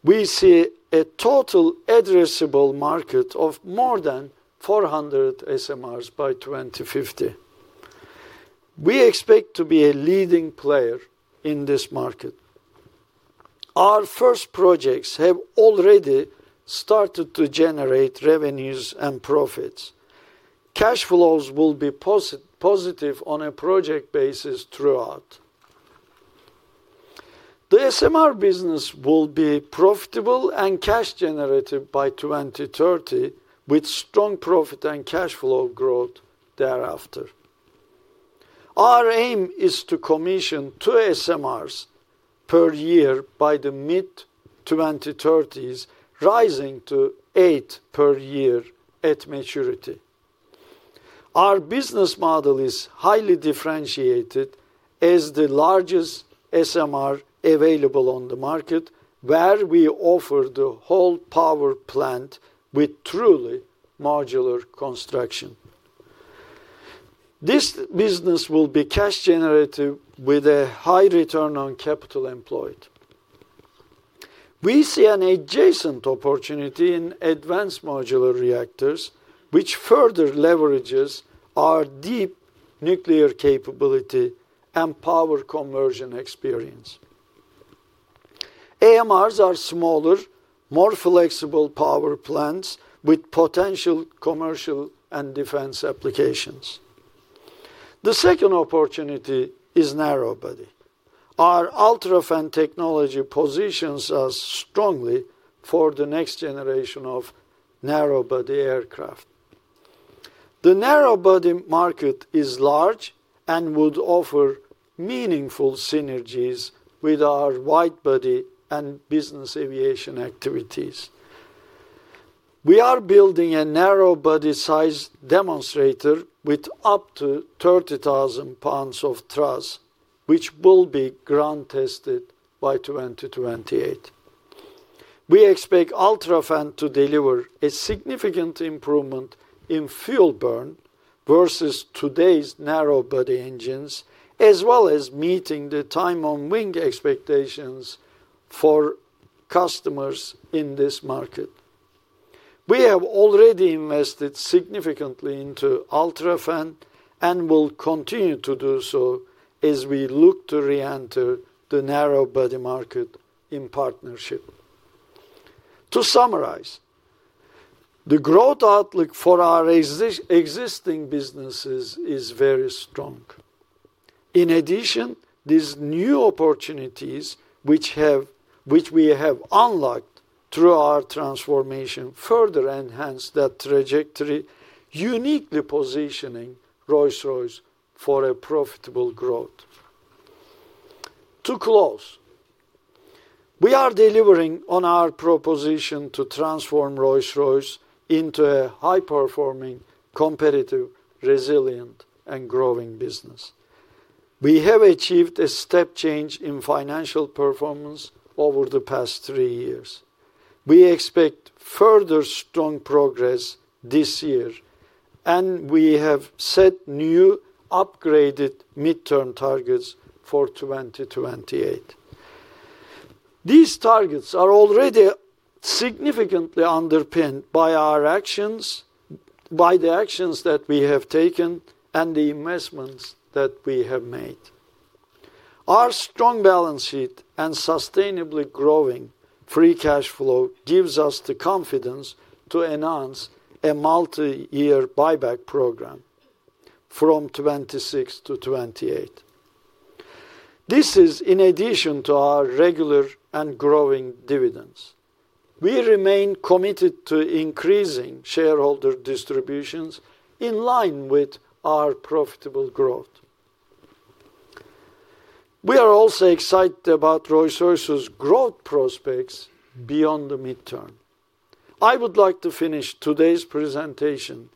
We see a total addressable market of more than 400 SMRs by 2050. We expect to be a leading player in this market. Our first projects have already started to generate revenues and profits. Cash flows will be positive on a project basis throughout. The SMR business will be profitable and cash generative by 2030, with strong profit and cash flow growth thereafter. Our aim is to commission two SMRs per year by the mid-2030s, rising to eight per year at maturity. Our business model is highly differentiated as the largest SMR available on the market, where we offer the whole power plant with truly modular construction. This business will be cash generative, with a high return on capital employed. We see an adjacent opportunity in advanced modular reactors, which further leverages our deep nuclear capability and power conversion experience. AMRs are smaller, more flexible power plants with potential commercial and defense applications. The second opportunity is narrow body. Our UltraFan technology positions us strongly for the next generation of narrow body aircraft. The narrow body market is large and would offer meaningful synergies with our wide body and business aviation activities. We are building a narrow body size demonstrator with up to 30,000 pounds of thrust, which will be ground tested by 2028. We expect UltraFan to deliver a significant improvement in fuel burn versus today's narrow body engines, as well as meeting the time on wing expectations for customers in this market. We have already invested significantly into UltraFan, and will continue to do so as we look to re-enter the narrow body market in partnership. To summarize, the growth outlook for our existing businesses is very strong. In addition, these new opportunities, which we have unlocked through our transformation, further enhance that trajectory, uniquely positioning Rolls-Royce for a profitable growth. To close, we are delivering on our proposition to transform Rolls-Royce into a high-performing, competitive, resilient and growing business. We have achieved a step change in financial performance over the past three years. We expect further strong progress this year, and we have set new, upgraded mid-term targets for 2028. These targets are already significantly underpinned by our actions, by the actions that we have taken and the investments that we have made. Our strong balance sheet and sustainably growing free cash flow gives us the confidence to announce a multi-year buyback program from 2026 to 2028. This is in addition to our regular and growing dividends. We remain committed to increasing shareholder distributions in line with our profitable growth. We are also excited about Rolls-Royce's growth prospects beyond the midterm. I would like to finish today's presentation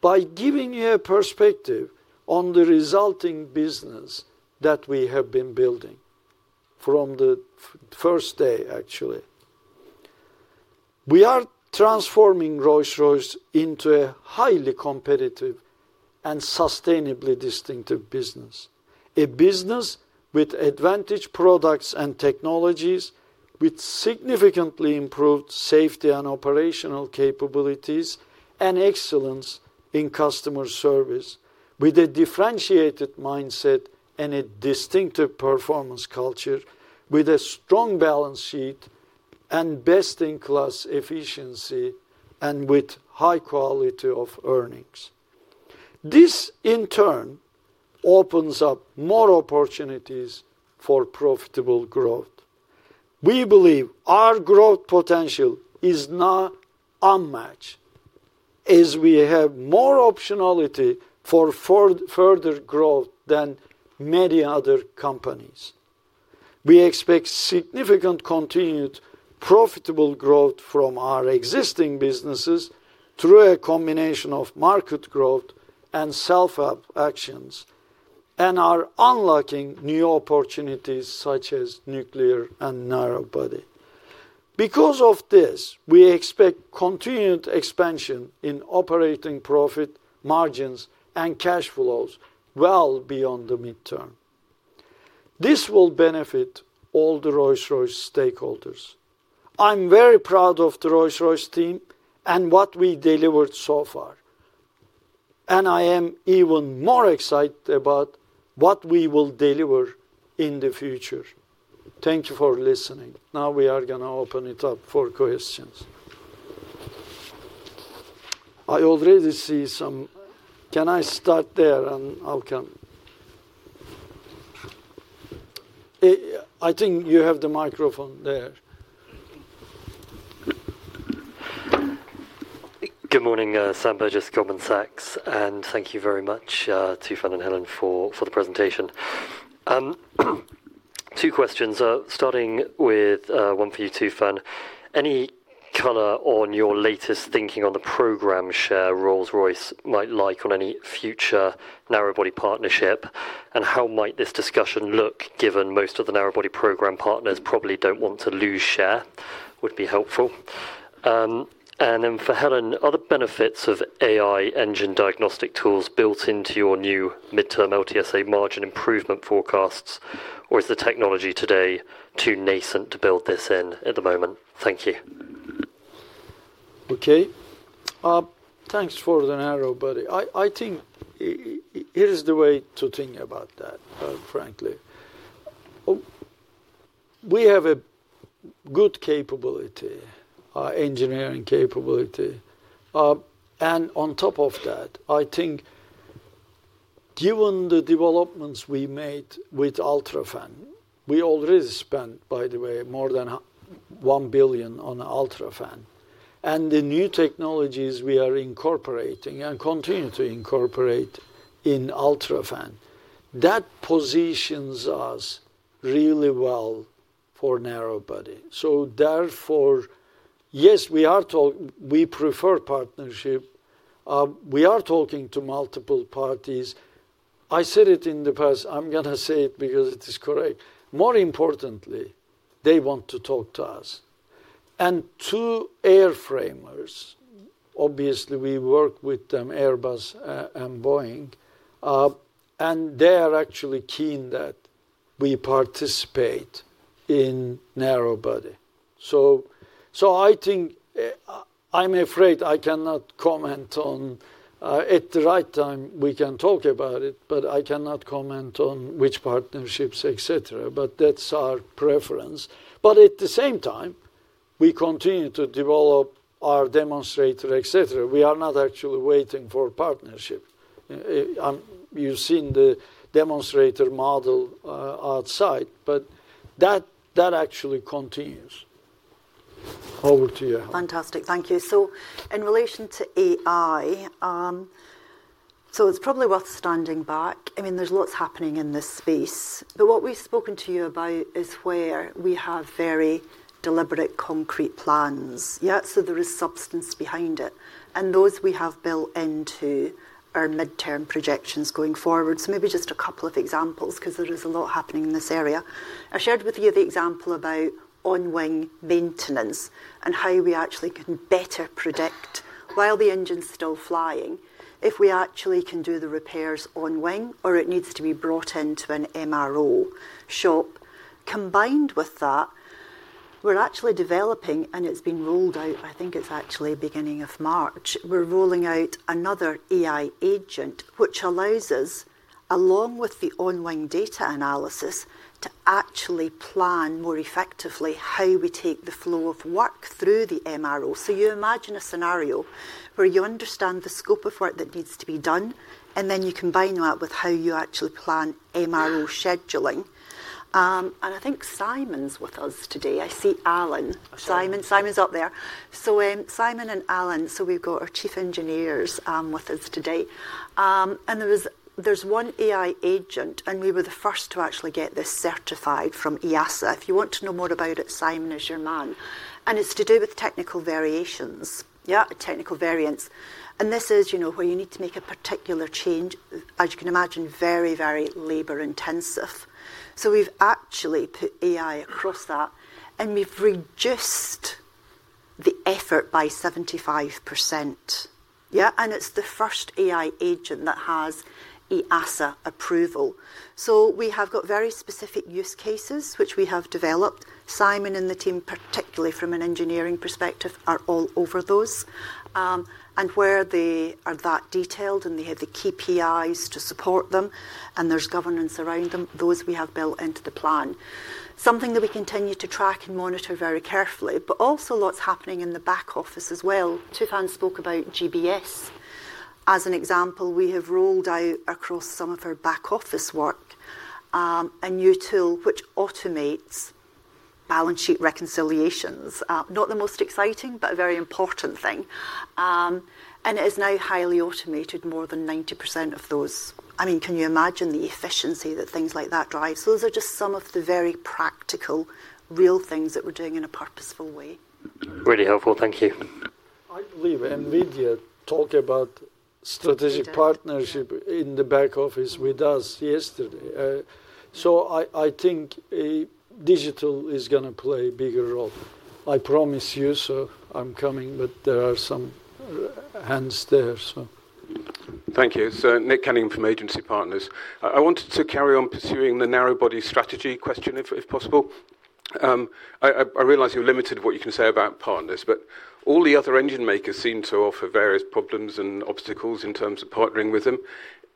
by giving you a perspective on the resulting business that we have been building from the first day, actually. We are transforming Rolls-Royce into a highly competitive and sustainably distinctive business. A business with advantage products and technologies, with significantly improved safety and operational capabilities, and excellence in customer service, with a differentiated mindset and a distinctive performance culture, with a strong balance sheet and best-in-class efficiency, and with high quality of earnings. This, in turn, opens up more opportunities for profitable growth. We believe our growth potential is now unmatched, as we have more optionality for further growth than many other companies. We expect significant continued profitable growth from our existing businesses through a combination of market growth and self-help actions, are unlocking new opportunities such as nuclear and narrow body. Because of this, we expect continued expansion in operating profit margins and cash flows well beyond the midterm. This will benefit all the Rolls-Royce stakeholders. I'm very proud of the Rolls-Royce team and what we delivered so far, I am even more excited about what we will deliver in the future. Thank you for listening. We are going to open it up for questions. I already see some. Can I start there, I'll come? I think you have the microphone there. Good morning, Sam Burgess, Goldman Sachs, thank you very much to Tufan and Helen for the presentation. Two questions, starting with one for you, Tufan. Any color on your latest thinking on the program share Rolls-Royce might like on any future narrow body partnership? How might this discussion look, given most of the narrow body program partners probably don't want to lose share? Would be helpful. Then for Helen, are the benefits of AI engine diagnostic tools built into your new midterm LTSA margin improvement forecasts, or is the technology today too nascent to build this in at the moment? Thank you. Thanks for the Narrow Body. I think here's the way to think about that, frankly. We have a good capability, engineering capability. On top of that, I think given the developments we made with UltraFan, we already spent, by the way, more than 1 billion on UltraFan, and the new technologies we are incorporating and continue to incorporate in UltraFan, that positions us really well for Narrow Body. Therefore, yes, we prefer partnership. We are talking to multiple parties. I said it in the past, I'm gonna say it because it is correct. More importantly, they want to talk to us. Two airframers, obviously, we work with them, Airbus and Boeing, and they are actually keen that we participate in Narrow Body. I think I'm afraid I cannot comment on. At the right time, we can talk about it, but I cannot comment on which partnerships, et cetera, but that's our preference. At the same time, we continue to develop our demonstrator, et cetera. We are not actually waiting for partnership. You've seen the demonstrator model outside, but that actually continues. Over to you, Helen. Fantastic. Thank you. In relation to AI, it's probably worth standing back. I mean, there's lots happening in this space, but what we've spoken to you about is where we have very deliberate, concrete plans. Yeah, there is substance behind it, and those we have built into our midterm projections going forward. Maybe just a couple of examples, 'cause there is a lot happening in this area. I shared with you the example about on-wing maintenance and how we actually can better predict, while the engine's still flying, if we actually can do the repairs on wing, or it needs to be brought into an MRO shop. Combined with that, we're actually developing, and it's been rolled out, I think it's actually beginning of March. We're rolling out another AI agent, which allows us, along with the on-wing data analysis, to actually plan more effectively how we take the flow of work through the MRO. You imagine a scenario where you understand the scope of work that needs to be done, and then you combine that with how you actually plan MRO scheduling. I think Simon's with us today. I see Alan. Simon? Simon's up there. Simon and Alan, we've got our chief engineers with us today. There's one AI agent, and we were the first to actually get this certified from EASA. If you want to know more about it, Simon is your man, and it's to do with technical variations. Yeah, technical variants. This is, you know, where you need to make a particular change. As you can imagine, very, very labor-intensive. We've actually put AI across that, and we've reduced the effort by 75%. It's the first AI agent that has EASA approval. We have got very specific use cases, which we have developed. Simon and the team, particularly from an engineering perspective, are all over those. Where they are that detailed, and they have the KPIs to support them, and there's governance around them, those we have built into the plan. Something that we continue to track and monitor very carefully, but also lots happening in the back office as well. Tufan spoke about GBS. As an example, we have rolled out across some of our back office work, a new tool which automates balance sheet reconciliations. Not the most exciting, but a very important thing. It is now highly automated, more than 90% of those. I mean, can you imagine the efficiency that things like that drives? Those are just some of the very practical, real things that we're doing in a purposeful way. Really helpful. Thank you. I believe NVIDIA talked about strategic partnership. Yeah. In the back office with us yesterday. I think digital is gonna play a bigger role. I promise you. I'm coming, there are some hands there. Thank you. Nick Cunningham from Agency Partners. I wanted to carry on pursuing the Narrow Body strategy question if possible. I realize you're limited what you can say about partners, all the other engine makers seem to offer various problems and obstacles in terms of partnering with them.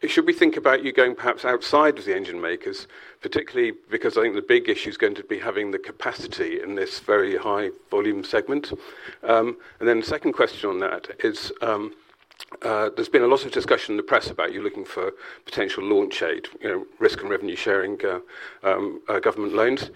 Should we think about you going perhaps outside of the engine makers, particularly because I think the big issue is going to be having the capacity in this very high volume segment? The second question on that is, there's been a lot of discussion in the press about you looking for potential launch aid, you know, risk and revenue sharing, government loans.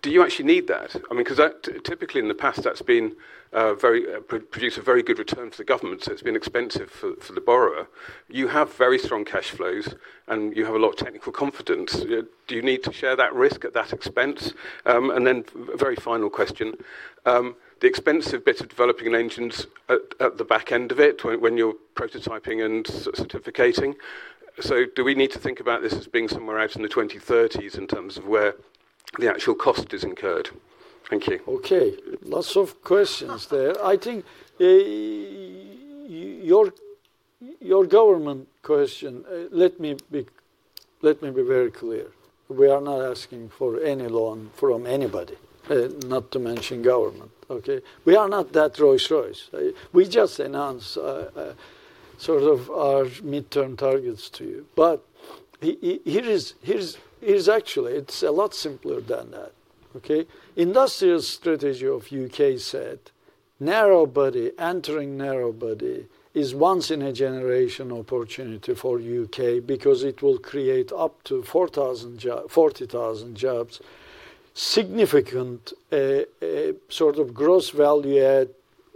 Do you actually need that? I mean, 'cause that, typically in the past, that's been very produced a very good return to the government, so it's been expensive for the borrower. You have very strong cash flows, and you have a lot of technical confidence. Do you need to share that risk at that expense? Very final question: The expensive bit of developing an engine's at the back end of it, when you're prototyping and certificating. Do we need to think about this as being somewhere out in the 2030s in terms of where the actual cost is incurred. Thank you. Okay, lots of questions there. I think, your government question, let me be very clear. We are not asking for any loan from anybody, not to mention government. Okay? We are not that Rolls-Royce. We just announced sort of our midterm targets to you. Here is actually, it's a lot simpler than that, okay? Industrial strategy of U.K. said, "Narrow body, entering narrow body, is once in a generation opportunity for U.K. because it will create up to 40,000 jobs. Significant, sort of gross value add,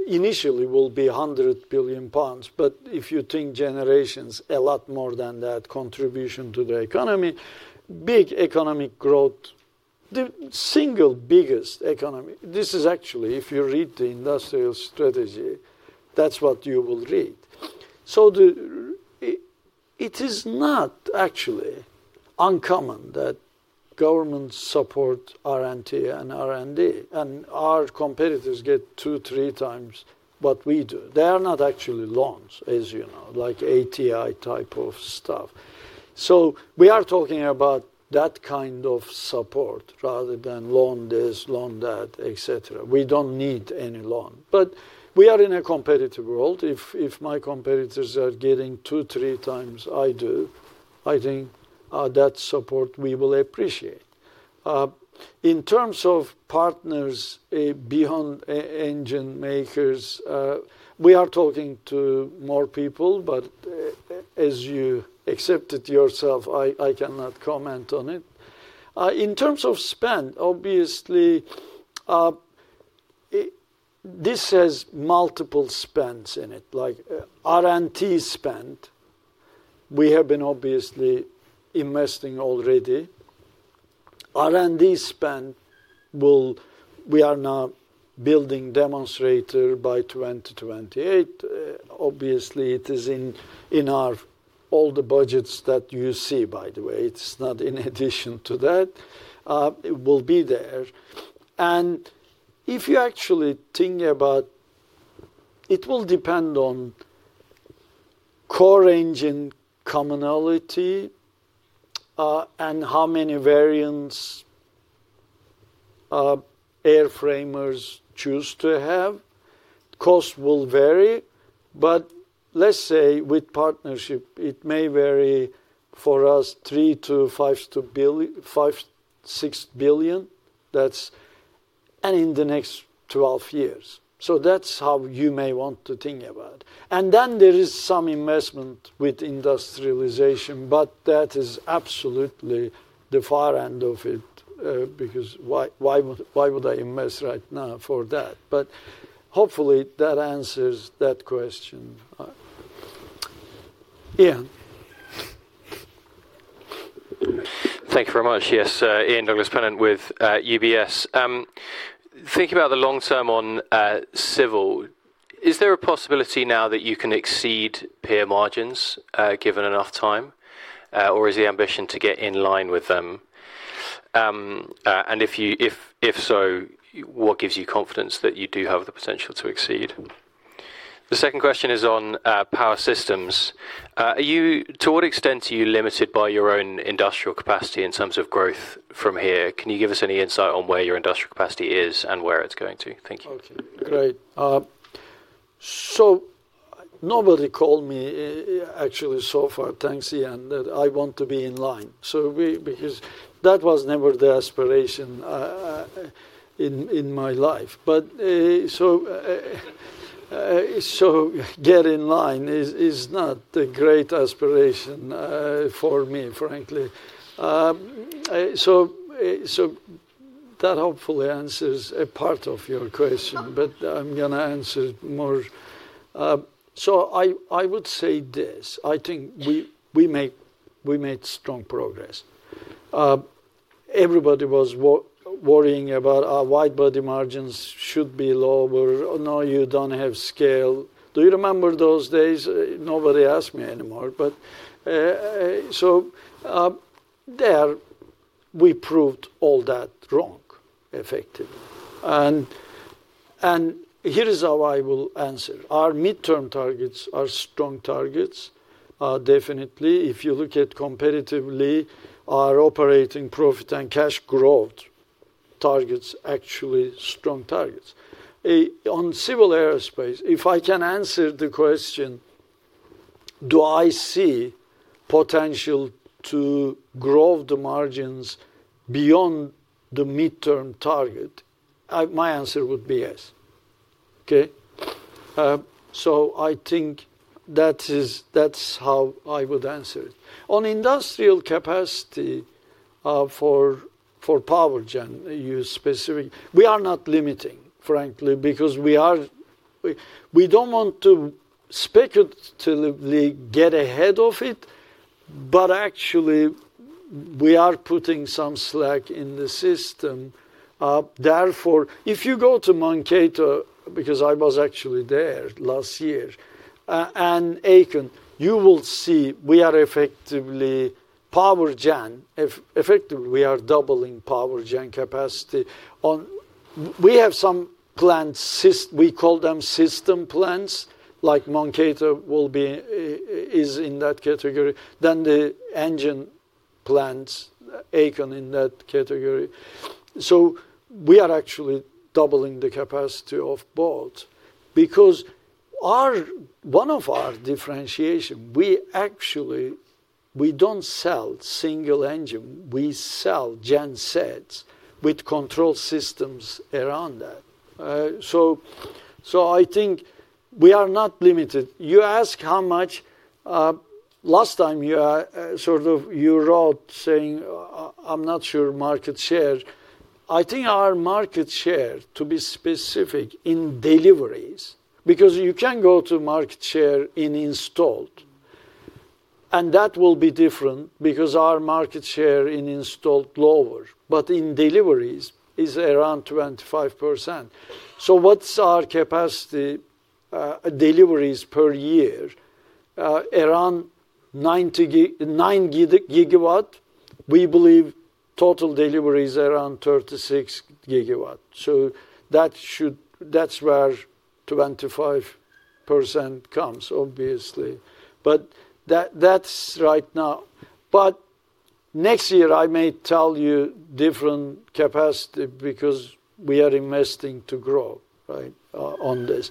initially will be 100 billion pounds, if you think generations, a lot more than that contribution to the economy, big economic growth, the single biggest economy." This is actually, if you read the industrial strategy, that's what you will read. It is not actually uncommon that governments support R&T and R&D, and our competitors get 2x, 3x what we do. They are not actually loans, as you know, like ATI type of stuff. We are talking about that kind of support rather than loan this, loan that, et cetera. We don't need any loan. We are in a competitive world. If my competitors are getting 2x, 3x I do, I think that support we will appreciate. In terms of partners, beyond engine makers, we are talking to more people, but as you accepted yourself, I cannot comment on it. In terms of spend, obviously, this has multiple spends in it, like R&T spend, we have been obviously investing already. R&D spend. We are now building demonstrator by 2028. Obviously, it is in our all the budgets that you see, by the way, it's not in addition to that, it will be there. If you actually think about, it will depend on core engine commonality, and how many variants, airframers choose to have. Cost will vary, but let's say with partnership, it may vary for us, 3 billion-5 billion to 5 billion, 6 billion. That's and in the next 12 years. That's how you may want to think about. Then there is some investment with industrialization, but that is absolutely the far end of it, because why would I invest right now for that? Hopefully that answers that question, Ian. Thank you very much. Yes, Ian Douglas-Pennant with UBS. Thinking about the long term on civil, is there a possibility now that you can exceed peer margins, given enough time, or is the ambition to get in line with them? If you, if so, what gives you confidence that you do have the potential to exceed? The second question is on power systems. To what extent are you limited by your own industrial capacity in terms of growth from here? Can you give us any insight on where your industrial capacity is and where it's going to? Thank you. Okay, great. Nobody called me, actually, so far, thanks, Ian, that I want to be in line. That was never the aspiration, in my life. Get in line is not a great aspiration, for me, frankly. That hopefully answers a part of your question, but I'm gonna answer more. I would say this: I think we made strong progress. Everybody was worrying about our wide-body margins should be lower. "No, you don't have scale." Do you remember those days? Nobody asked me anymore. There, we proved all that wrong, effectively. Here is how I will answer. Our midterm targets are strong targets. Definitely, if you look at competitively, our operating profit and cash growth targets, actually strong targets. On civil aerospace, if I can answer the question, do I see potential to grow the margins beyond the midterm target? My answer would be yes. Okay? I think that is, that's how I would answer it. On industrial capacity, for power, Ian, you specific, we are not limiting, frankly, because we don't want to speculatively get ahead of it. Actually, we are putting some slack in the system. Therefore, if you go to Mankato, because I was actually there last year, and Aiken, you will see we are effectively power gen. Effectively, we are doubling power gen capacity on- We have some we call them system plants, like Mankato will be, is in that category, then the engine plants, Aiken in that category. We are actually doubling the capacity of both, because our, one of our differentiation, we actually, we don't sell single engine, we sell gen sets with control systems around that. I think we are not limited. You ask how much, last time you, sort of, you wrote saying, "I'm not sure, market share." I think our market share, to be specific in deliveries, because you can go to market share in installed, and that will be different because our market share in installed lower, but in deliveries is around 25%. What's our capacity, deliveries per year? Around 99 gigawatt. We believe total delivery is around 36 gigawatt. That's where 25% comes, obviously. That's right now. Next year I may tell you different capacity because we are investing to grow, right, on this.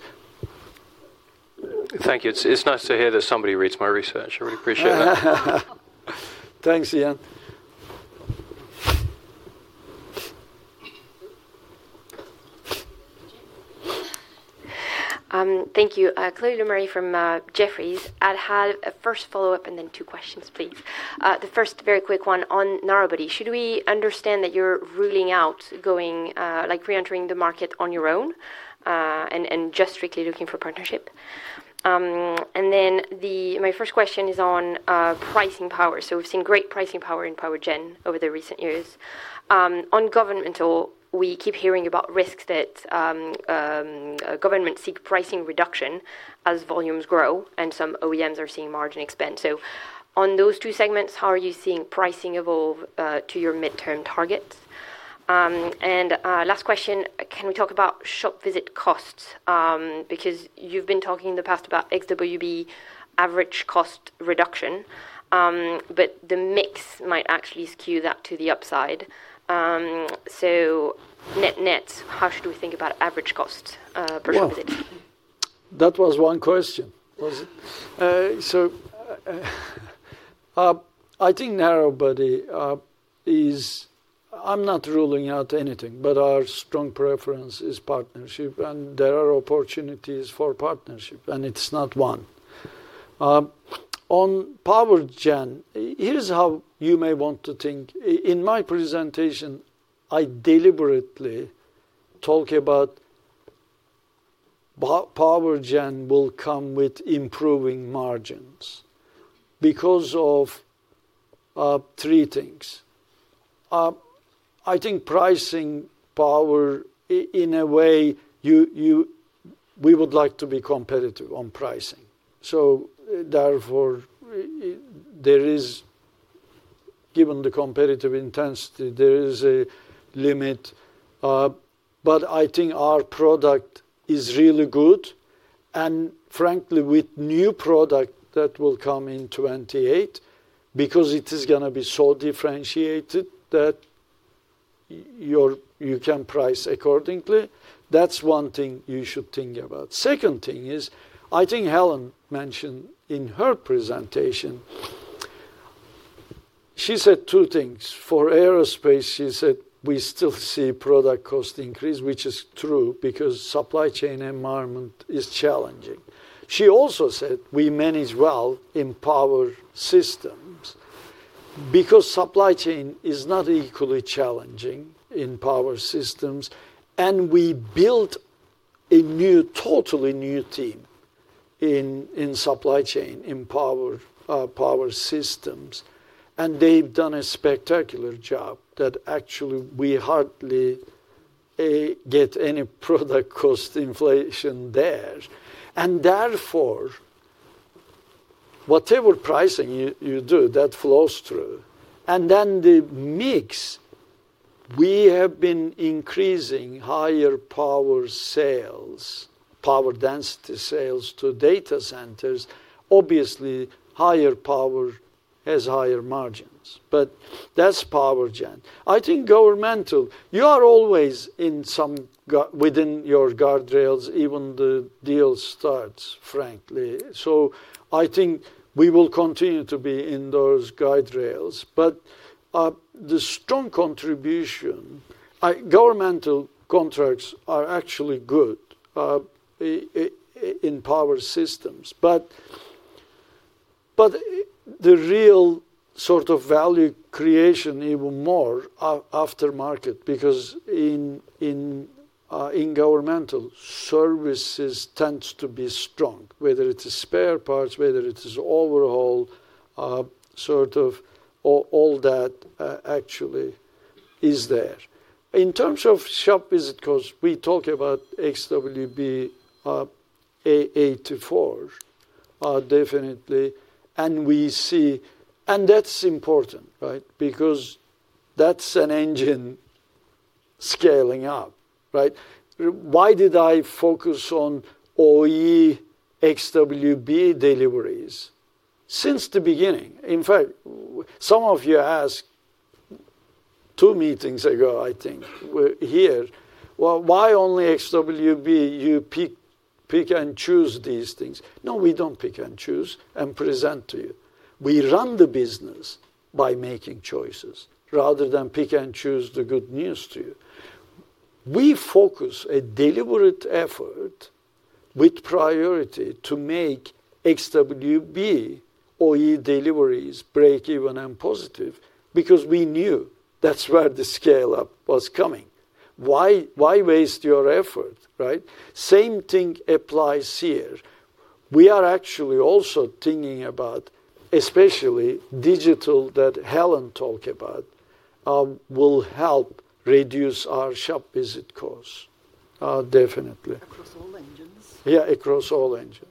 Thank you. It's nice to hear that somebody reads my research. I really appreciate that. Thanks, Ian. Thank you. Chloé Lemarié from Jefferies. I'd have a first follow-up and then two questions, please. The first very quick one on narrow body. Should we understand that you're ruling out going like re-entering the market on your own and just strictly looking for partnership? My first question is on pricing power. We've seen great pricing power in power gen over the recent years. On governmental, we keep hearing about risks that government seek pricing reduction as volumes grow, and some OEMs are seeing margin expense. On those two segments, how are you seeing pricing evolve to your midterm targets? Last question, can we talk about shop visit costs? You've been talking in the past about XWB average cost reduction, but the mix might actually skew that to the upside. Net, net, how should we think about average cost per visit? Well, that was one question, was it? I think narrow body, I'm not ruling out anything, but our strong preference is partnership, and there are opportunities for partnership, and it's not one. On power gen, here's how you may want to think. In my presentation, I deliberately talk about power gen will come with improving margins because of three things. I think pricing power, in a way, we would like to be competitive on pricing. Therefore, there is, given the competitive intensity, there is a limit, but I think our product is really good, and frankly, with new product that will come in 2028, because it is gonna be so differentiated that you can price accordingly. That's one thing you should think about. Second thing is, I think Helen mentioned in her presentation, she said two things. For aerospace, she said, "We still see product cost increase," which is true because supply chain environment is challenging. She also said, "We manage well in power systems," because supply chain is not equally challenging in power systems, and we built a new, totally new team in supply chain, in power systems, and they've done a spectacular job that actually we hardly get any product cost inflation there. Therefore, whatever pricing you do, that flows through. Then the mix, we have been increasing higher power sales, power density sales to data centers. Obviously, higher power has higher margins. That's power gen. I think governmental, you are always in some within your guardrails, even the deal starts, frankly. I think we will continue to be in those guardrails. The strong contribution... Governmental contracts are actually good in power systems. The real sort of value creation even more, aftermarket, because in governmental services tends to be strong, whether it is spare parts, whether it is overhaul, sort of, or all that actually is there. In terms of shop visit costs, we talk about XWB-84, definitely, and that's important, right? Because that's an engine scaling up, right? Why did I focus on OE XWB deliveries? Since the beginning. In fact, some of you asked two meetings ago, I think, we're here, "Well, why only XWB? You pick and choose these things." No, we don't pick and choose and present to you. We run the business by making choices rather than pick and choose the good news to you. We focus a deliberate effort with priority to make XWB OE deliveries break even and positive, because we knew that's where the scale-up was coming. Why waste your effort, right? Same thing applies here. We are actually also thinking about, especially digital, that Helen talked about, will help reduce our shop visit costs, definitely. Across all engines? Yeah, across all engines.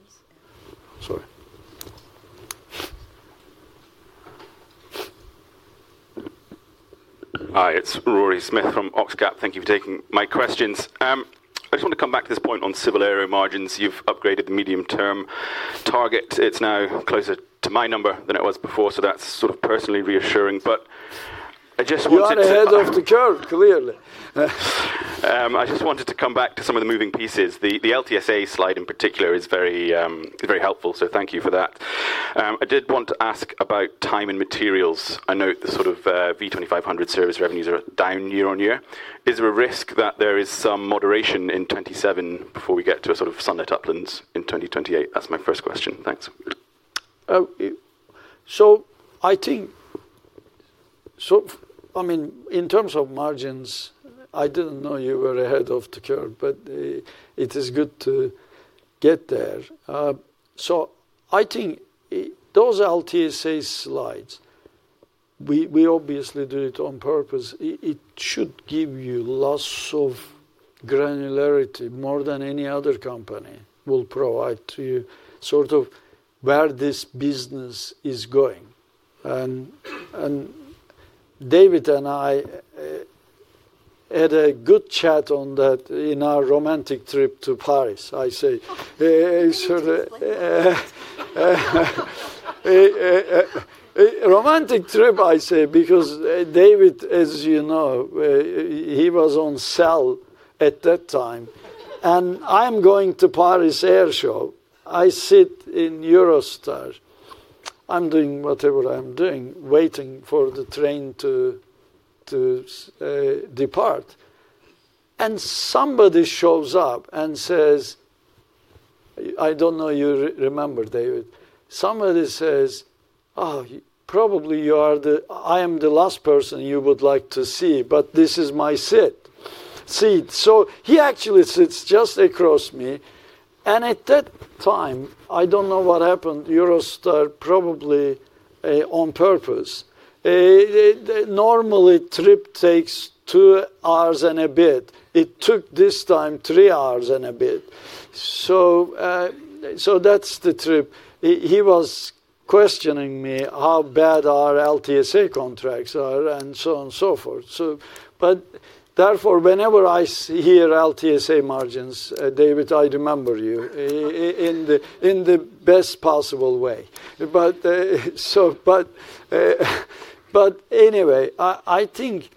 Sorry. Hi, it's Rory Smith from Oxcap. Thank you for taking my questions. I just want to come back to this point on civil area margins. You've upgraded the medium-term target. It's now closer to my number than it was before, so that's sort of personally reassuring. You are ahead of the curve, clearly. I just wanted to come back to some of the moving pieces. The LTSA slide in particular is very helpful, so thank you for that. I did want to ask about time and materials. I note the sort of V2500 service revenues are down year-over-year. Is there a risk that there is some moderation in 2027 before we get to a sort of sunny uplands in 2028? That's my first question. Thanks. I think, I mean, in terms of margins, I didn't know you were ahead of the curve, but it is good to get there. I think, those LTSA slides, we obviously do it on purpose. It should give you lots of granularity, more than any other company will provide to you, sort of where this business is going. David and I had a good chat on that in our romantic trip to Paris, I say. Romantic trip, I say, because David, as you know, he was on sale at that time. I'm going to Paris Air Show. I sit in Eurostar. I'm doing whatever I'm doing, waiting for the train to depart, somebody shows up and says... I don't know you remember, David. Somebody says, "Oh, probably you are the last person you would like to see, but this is my seat." He actually sits just across me, at that time, I don't know what happened, Eurostar, probably, on purpose, the normal trip takes 2 hours and a bit. It took this time, 3 hours and a bit. That's the trip. He was questioning me, how bad our LTSA contracts are, so on and so forth. Therefore, whenever I hear LTSA margins, David, I remember you in the best possible way. Anyway, I think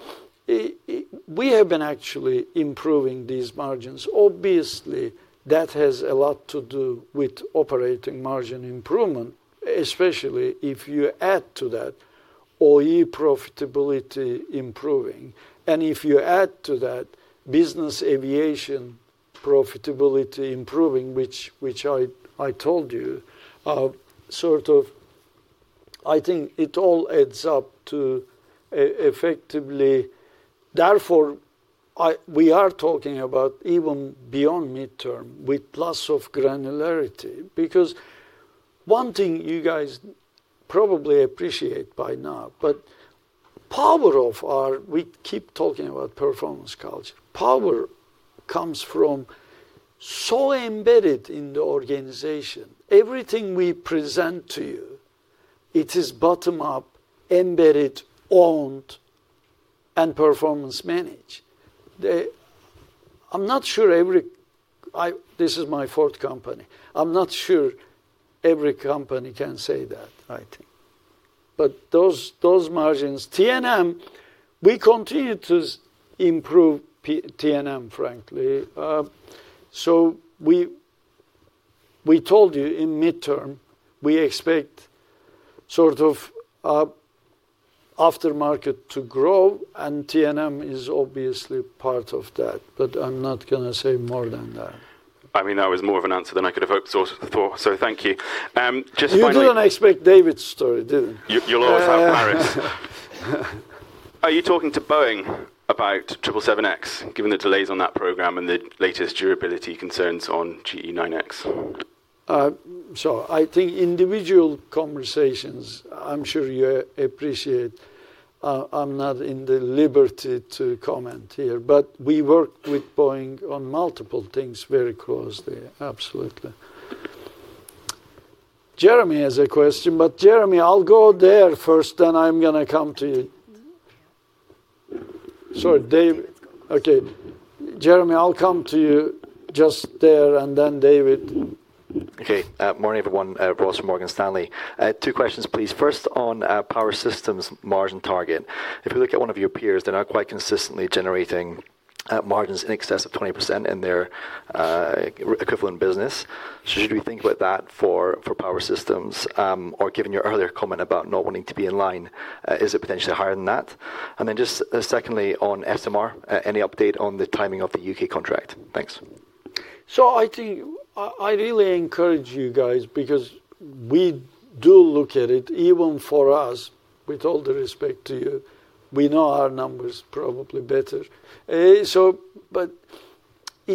we have been actually improving these margins. Obviously, that has a lot to do with operating margin improvement, especially if you add to that OE profitability improving, and if you add to that business aviation profitability improving, which I told you, sort of. I think it all adds up to effectively. Therefore, we are talking about even beyond midterm, with lots of granularity. One thing you guys probably appreciate by now, we keep talking about performance culture. Power comes from so embedded in the organization. Everything we present to you, it is bottom-up, embedded, owned, and performance managed. I'm not sure every. This is my fourth company. I'm not sure every company can say that, I think. Those margins, TNM, we continue to improve TNM, frankly. We told you in midterm, we expect sort of aftermarket to grow, and TNM is obviously part of that, but I'm not gonna say more than that. I mean, that was more of an answer than I could have hoped for, thank you. Just finally. You didn't expect David's story, did you? You, you'll always have Paris. Are you talking to Boeing about 777X, given the delays on that program and the latest durability concerns on GE9X? I think individual conversations, I'm sure you appreciate, I'm not in the liberty to comment here. We work with Boeing on multiple things very closely. Absolutely. Jeremy has a question, but Jeremy, I'll go there first, then I'm gonna come to you. Sorry, Dave. Jeremy, I'll come to you just there, and then David. Okay. Morning, everyone. Ross Law from Morgan Stanley. I had two questions, please. First, on Power Systems' margin target. If you look at one of your peers, they're now quite consistently generating margins in excess of 20% in their equivalent business. Sure. Should we think about that for Power Systems? Or given your earlier comment about not wanting to be in line, is it potentially higher than that? Just secondly, on SMR, any update on the timing of the U.K. contract? Thanks. I think I really encourage you guys, because we do look at it, even for us, with all due respect to you, we know our numbers probably better. It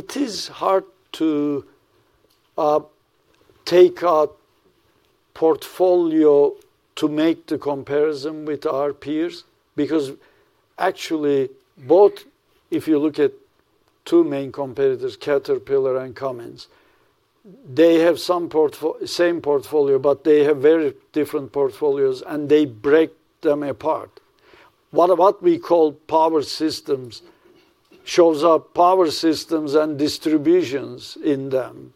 is hard to take our portfolio to make the comparison with our peers, because actually, both if you look at two main competitors, Caterpillar and Cummins, they have some same portfolio, but they have very different portfolios, and they break them apart. What about we call Power Systems shows up Power Systems and distributions in them,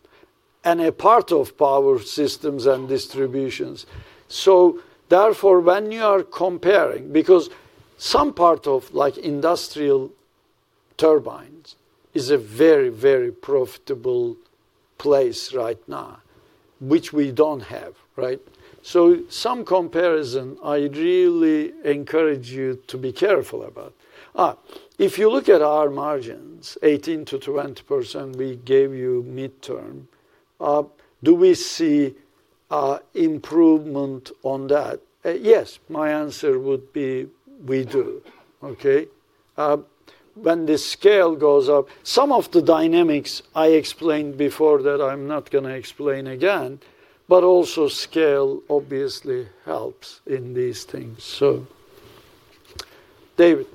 and a part of Power Systems and distributions. Therefore, when you are comparing, because some part of, like, industrial turbines, is a very, very profitable place right now, which we don't have, right? Some comparison, I'd really encourage you to be careful about. If you look at our margins, 18%-20%, we gave you midterm. Do we see a improvement on that? Yes, my answer would be we do. Okay? When the scale goes up, some of the dynamics I explained before that I'm not gonna explain again, but also scale obviously helps in these things. David.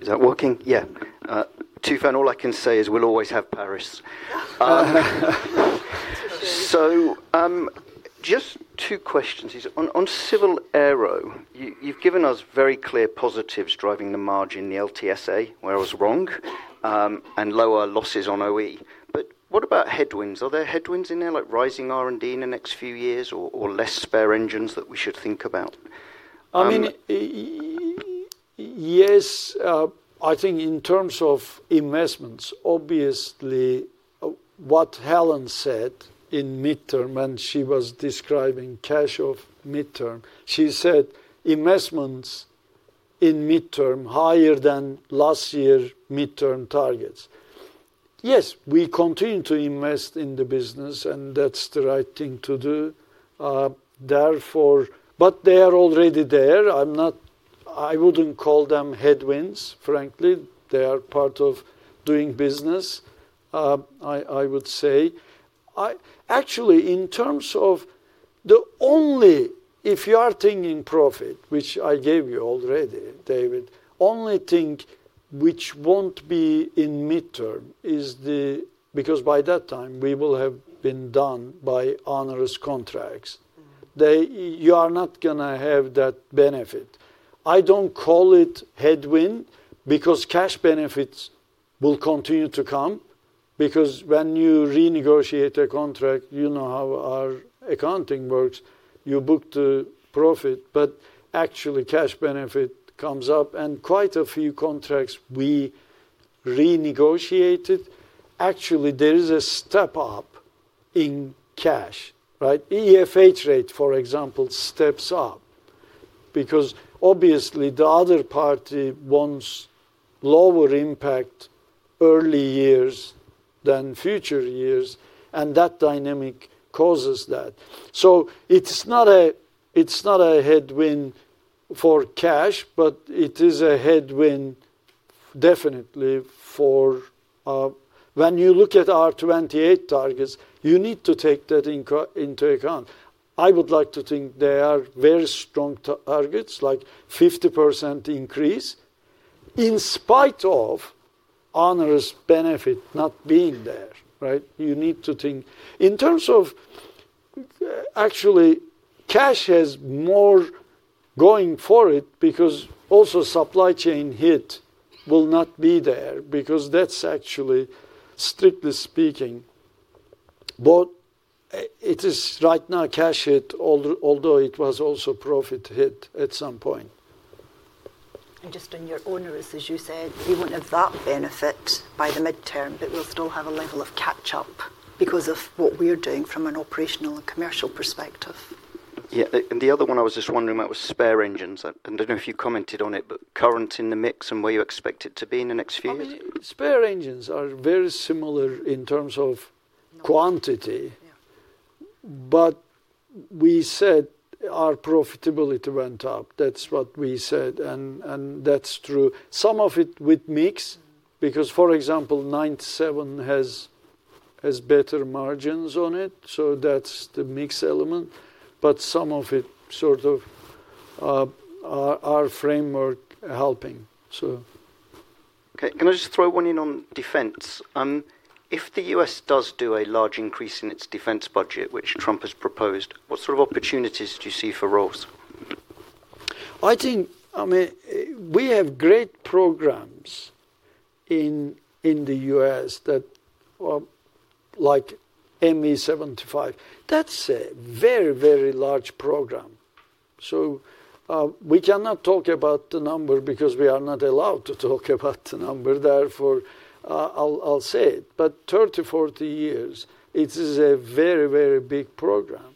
Is that working? Yeah. Tufan, all I can say is we'll always have Paris. Just two questions. On civil aero, you've given us very clear positives driving the margin, the LTSA, where I was wrong, and lower losses on OE. What about headwinds? Are there headwinds in there, like rising R&D in the next few years or less spare engines that we should think about? I mean, yes, I think in terms of investments, obviously, what Helen said in midterm, and she was describing cash of midterm, she said, "Investments in midterm higher than last year's midterm targets." Yes, we continue to invest in the business, and that's the right thing to do. They are already there. I wouldn't call them headwinds, frankly. They are part of doing business, I would say. Actually, in terms of the only, if you are thinking profit, which I gave you already, David, only thing which won't be in midterm is the. By that time, we will have been done by onerous contracts. Mm-hmm. They, you are not gonna have that benefit. I don't call it headwind, because cash benefits will continue to come. Because when you renegotiate a contract, you know how our accounting works, you book the profit, but actually cash benefit comes up, and quite a few contracts we renegotiated. Actually, there is a step up in cash, right? EFH rate, for example, steps up because obviously, the other party wants lower impact early years than future years, and that dynamic causes that. So it's not a, it's not a headwind for cash, but it is a headwind, definitely for, when you look at our 2028 targets, you need to take that into account. I would like to think they are very strong targets, like 50% increase, in spite of onerous benefit not being there, right? You need to think. In terms of, actually, cash has more going for it because also supply chain hit will not be there because that's actually, strictly speaking, but it is right now cash hit, although it was also profit hit at some point. Just on your onerous, as you said, you won't have that benefit by the midterm, but we'll still have a level of catch up because of what we're doing from an operational and commercial perspective. Yeah, the other one I was just wondering about was spare engines. I don't know if you commented on it, but current in the mix, and where you expect it to be in the next few years? I mean, spare engines are very similar in terms of quantity. Yeah. We said our profitability went up. That's what we said, and that's true. Some of it with mix, because, for example, 97 has better margins on it, so that's the mix element. Some of it sort of, our framework helping. Okay. Can I just throw one in on defense? If the U.S. does do a large increase in its defense budget, which Trump has proposed, what sort of opportunities do you see for Rolls? I think, I mean, we have great programs in the U.S. that, like MV-75, that's a very, very large program. We cannot talk about the number because we are not allowed to talk about the number, therefore, I'll say it. 30, 40 years, it is a very, very big program.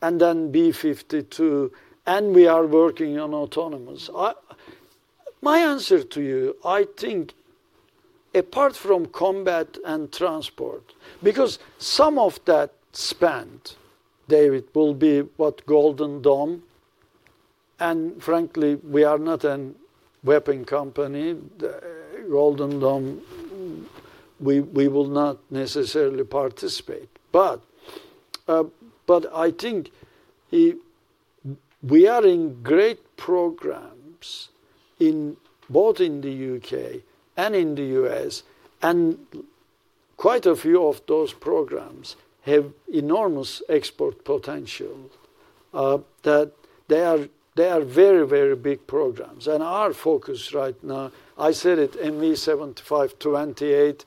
B-52, and we are working on autonomous. My answer to you, I think apart from combat and transport, because some of that spend, David, will be what Golden Dome, and frankly, we are not a weapon company. The Golden Dome, we will not necessarily participate. I think we are in great programs in both in the U.K. and in the U.S., and quite a few of those programs have enormous export potential, that they are very, very big programs. Our focus right now, I said it, MV7528.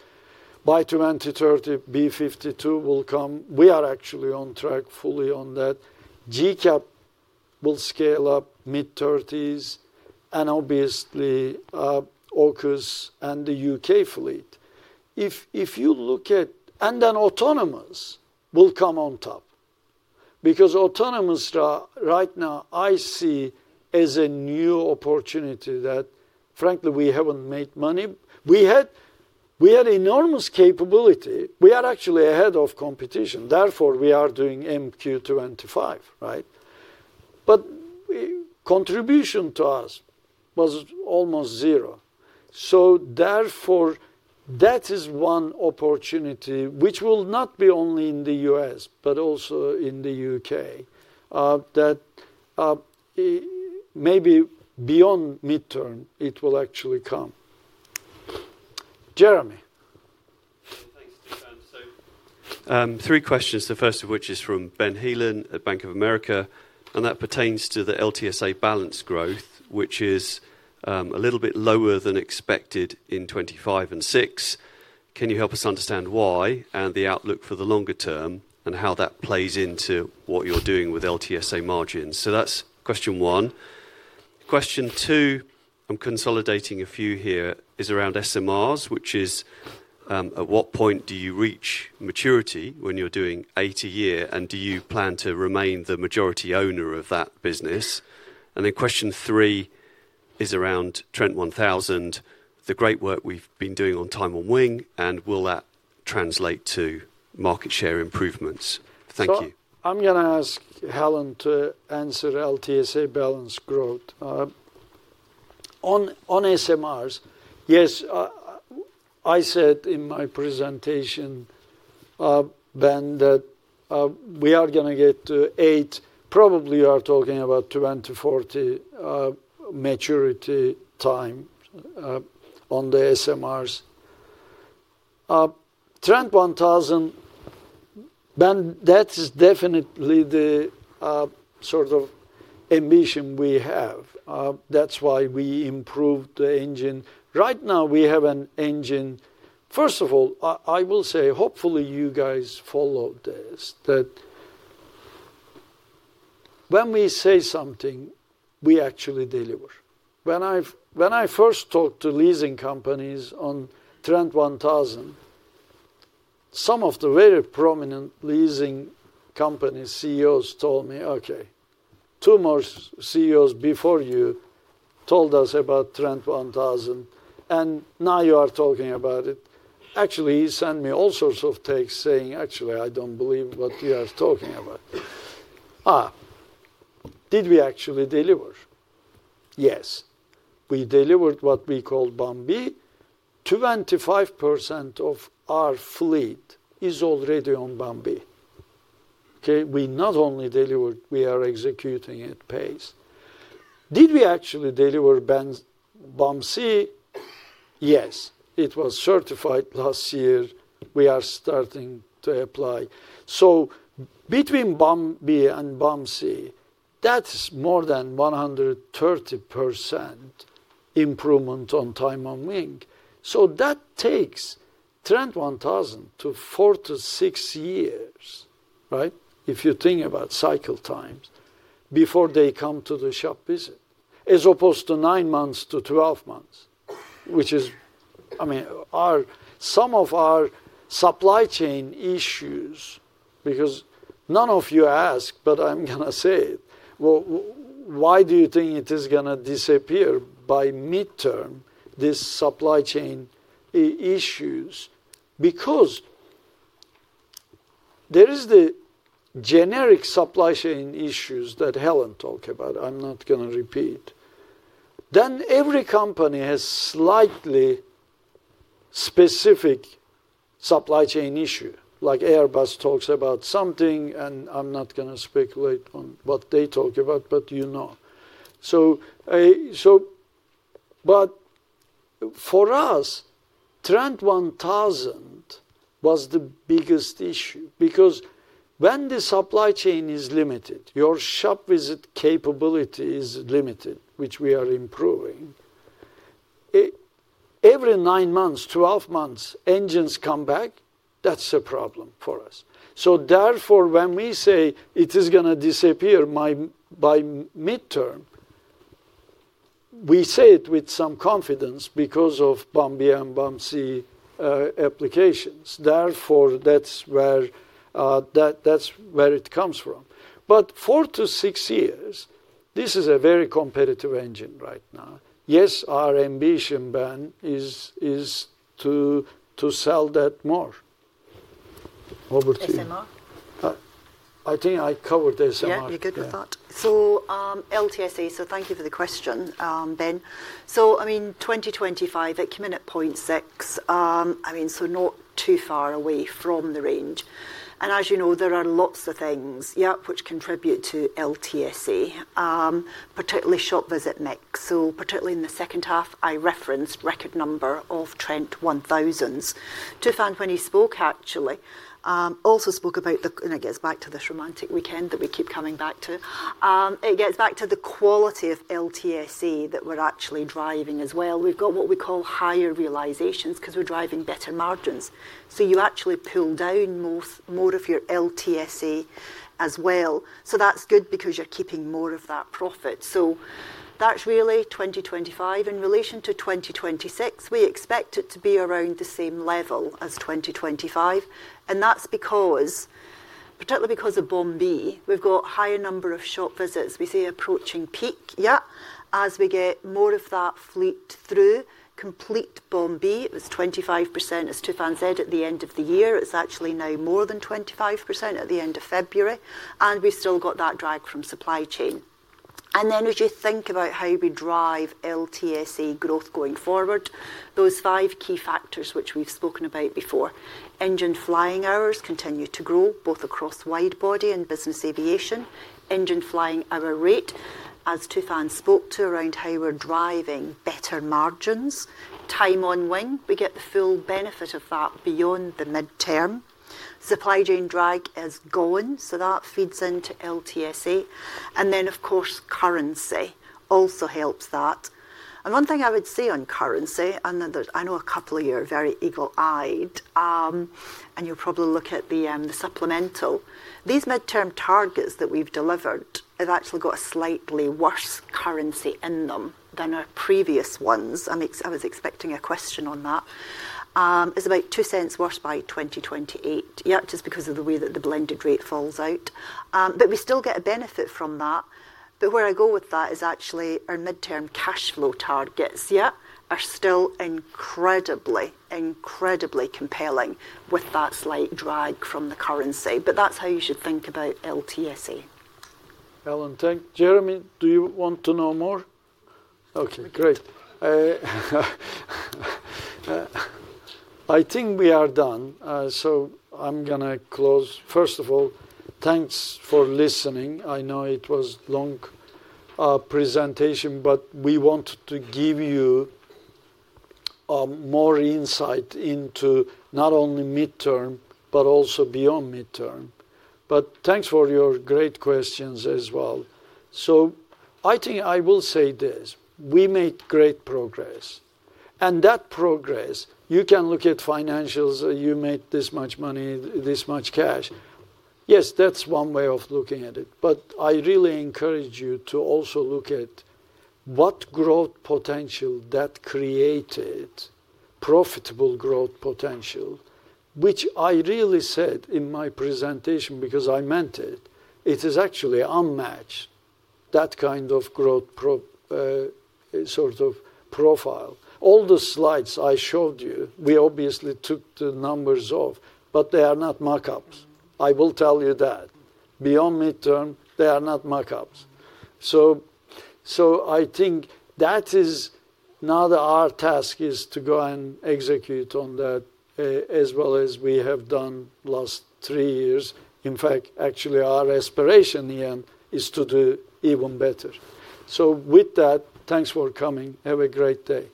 By 2030, B-52 will come. We are actually on track fully on that. GCAP will scale up mid-thirties, obviously, Orpheus and the U.K. fleet. If you look at. Autonomous will come on top, because autonomous, right now, I see as a new opportunity that frankly, we haven't made money. We had enormous capability. We are actually ahead of competition, therefore, we are doing MQ-25, right? Contribution to us was almost zero. Therefore, that is one opportunity which will not be only in the U.S., but also in the U.K., maybe beyond midterm, it will actually come. Jeremy? Thanks. Three questions, the first of which is from Benjamin Heelan at Bank of America, that pertains to the LTSA balance growth, which is a little bit lower than expected in 2025 and 2026. Can you help us understand why, the outlook for the longer term, and how that plays into what you're doing with LTSA margins? That's question one. Question two, I'm consolidating a few here, is around SMRs, which is at what point do you reach maturity when you're doing 8 a year, do you plan to remain the majority owner of that business? Question three is around Trent 1000, the great work we've been doing on time on wing, will that translate to market share improvements? Thank you. I'm gonna ask Helen to answer LTSA balance growth. On SMRs, yes, I said in my presentation, Ben, that we are gonna get to 8, probably you are talking about 2040 maturity time on the SMRs. Trent 1000, Ben, that is definitely the sort of ambition we have. That's why we improved the engine. First of all, I will say, hopefully, you guys follow this, that when we say something, we actually deliver. When I first talked to leasing companies on Trent 1000, some of the very prominent leasing company CEOs told me, "Okay, two more CEOs before you told us about Trent 1000, and now you are talking about it." He sent me all sorts of texts saying, "Actually, I don't believe what you are talking about." Did we actually deliver? Yes. We delivered what we call Bombi. 25% of our fleet is already on Bombi. Okay? We not only delivered, we are executing at pace. Did we actually deliver Ben's Bombi? Yes, it was certified last year. We are starting to apply. Between Bombi and Bombi, that's more than 130% improvement on time on wing. That takes Trent 1000 to 4-6 years, right? If you think about cycle times, before they come to the shop visit, as opposed to nine months to 12 months. I mean, our, some of our supply chain issues, because none of you asked, but I'm gonna say it. Why do you think it is gonna disappear by midterm, this supply chain issues? There is the generic supply chain issues that Helen talked about. I'm not gonna repeat. Every company has slightly specific supply chain issue, like Airbus talks about something, and I'm not gonna speculate on what they talk about, but you know. For us, Trent 1000 was the biggest issue, because when the supply chain is limited, your shop visit capability is limited, which we are improving. Every 9 months, 12 months, engines come back, that's a problem for us. Therefore, when we say it is gonna disappear by midterm, we say it with some confidence because of Bombardier and Bombardier applications. Therefore, that's where it comes from. Four to six years, this is a very competitive engine right now. Yes, our ambition, Ben, is to sell that more. Over to you. SMR? I think I covered SMR. Yeah, you're good with that. Yeah. LTSE, thank you for the question, Ben. I mean, 2025, it came in at 0.6, I mean, not too far away from the range. As you know, there are lots of things, yeah, which contribute to LTSE, particularly shop visit next. Particularly in the second half, I referenced record number of Trent 1000. Tufan, when he spoke, actually, also spoke about. It gets back to this romantic weekend that we keep coming back to. It gets back to the quality of LTSE that we're actually driving as well. We've got what we call higher realizations 'cause we're driving better margins, so you actually pull down more of your LTSE as well. That's good because you're keeping more of that profit. That's really 2025. In relation to 2026, we expect it to be around the same level as 2025. That's because, particularly because of Bombardier, we've got higher number of shop visits. We see approaching peak, yeah, as we get more of that fleet through, complete Bombardier. It was 25%, as Tufan said, at the end of the year. It's actually now more than 25% at the end of February. We've still got that drag from supply chain. As you think about how we drive LTSE growth going forward, those five key factors which we've spoken about before: engine flying hours continue to grow, both across wide body and business aviation. Engine flying hour rate, as Tufan spoke to, around how we're driving better margins. Time on wing, we get the full benefit of that beyond the midterm. Supply chain drag is gone. That feeds into LTSE. Of course, currency also helps that. One thing I would say on currency, I know there, I know a couple of you are very eagle-eyed, and you'll probably look at the supplemental. These midterm targets that we've delivered have actually got a slightly worse currency in them than our previous ones. I was expecting a question on that. It's about 2 cents worse by 2028, yeah, just because of the way that the blended rate falls out. We still get a benefit from that. Where I go with that is actually our midterm cash flow targets, yeah, are still incredibly compelling with that slight drag from the currency. That's how you should think about LTSE. Helen, Jeremy, do you want to know more? Okay, great. I think we are done, I'm gonna close. First of all, thanks for listening. I know it was long presentation, we wanted to give you more insight into not only midterm, also beyond midterm. Thanks for your great questions as well. I think I will say this: We made great progress, that progress, you can look at financials, you made this much money, this much cash. Yes, that's one way of looking at it, I really encourage you to also look at what growth potential that created, profitable growth potential, which I really said in my presentation because I meant it. It is actually unmatched, that kind of growth profile. All the slides I showed you, we obviously took the numbers off, but they are not mock-ups. I will tell you that. Beyond midterm, they are not mock-ups. I think that is now our task, is to go and execute on that, as well as we have done last three years. In fact, actually, our aspiration in the end, is to do even better. With that, thanks for coming. Have a great day.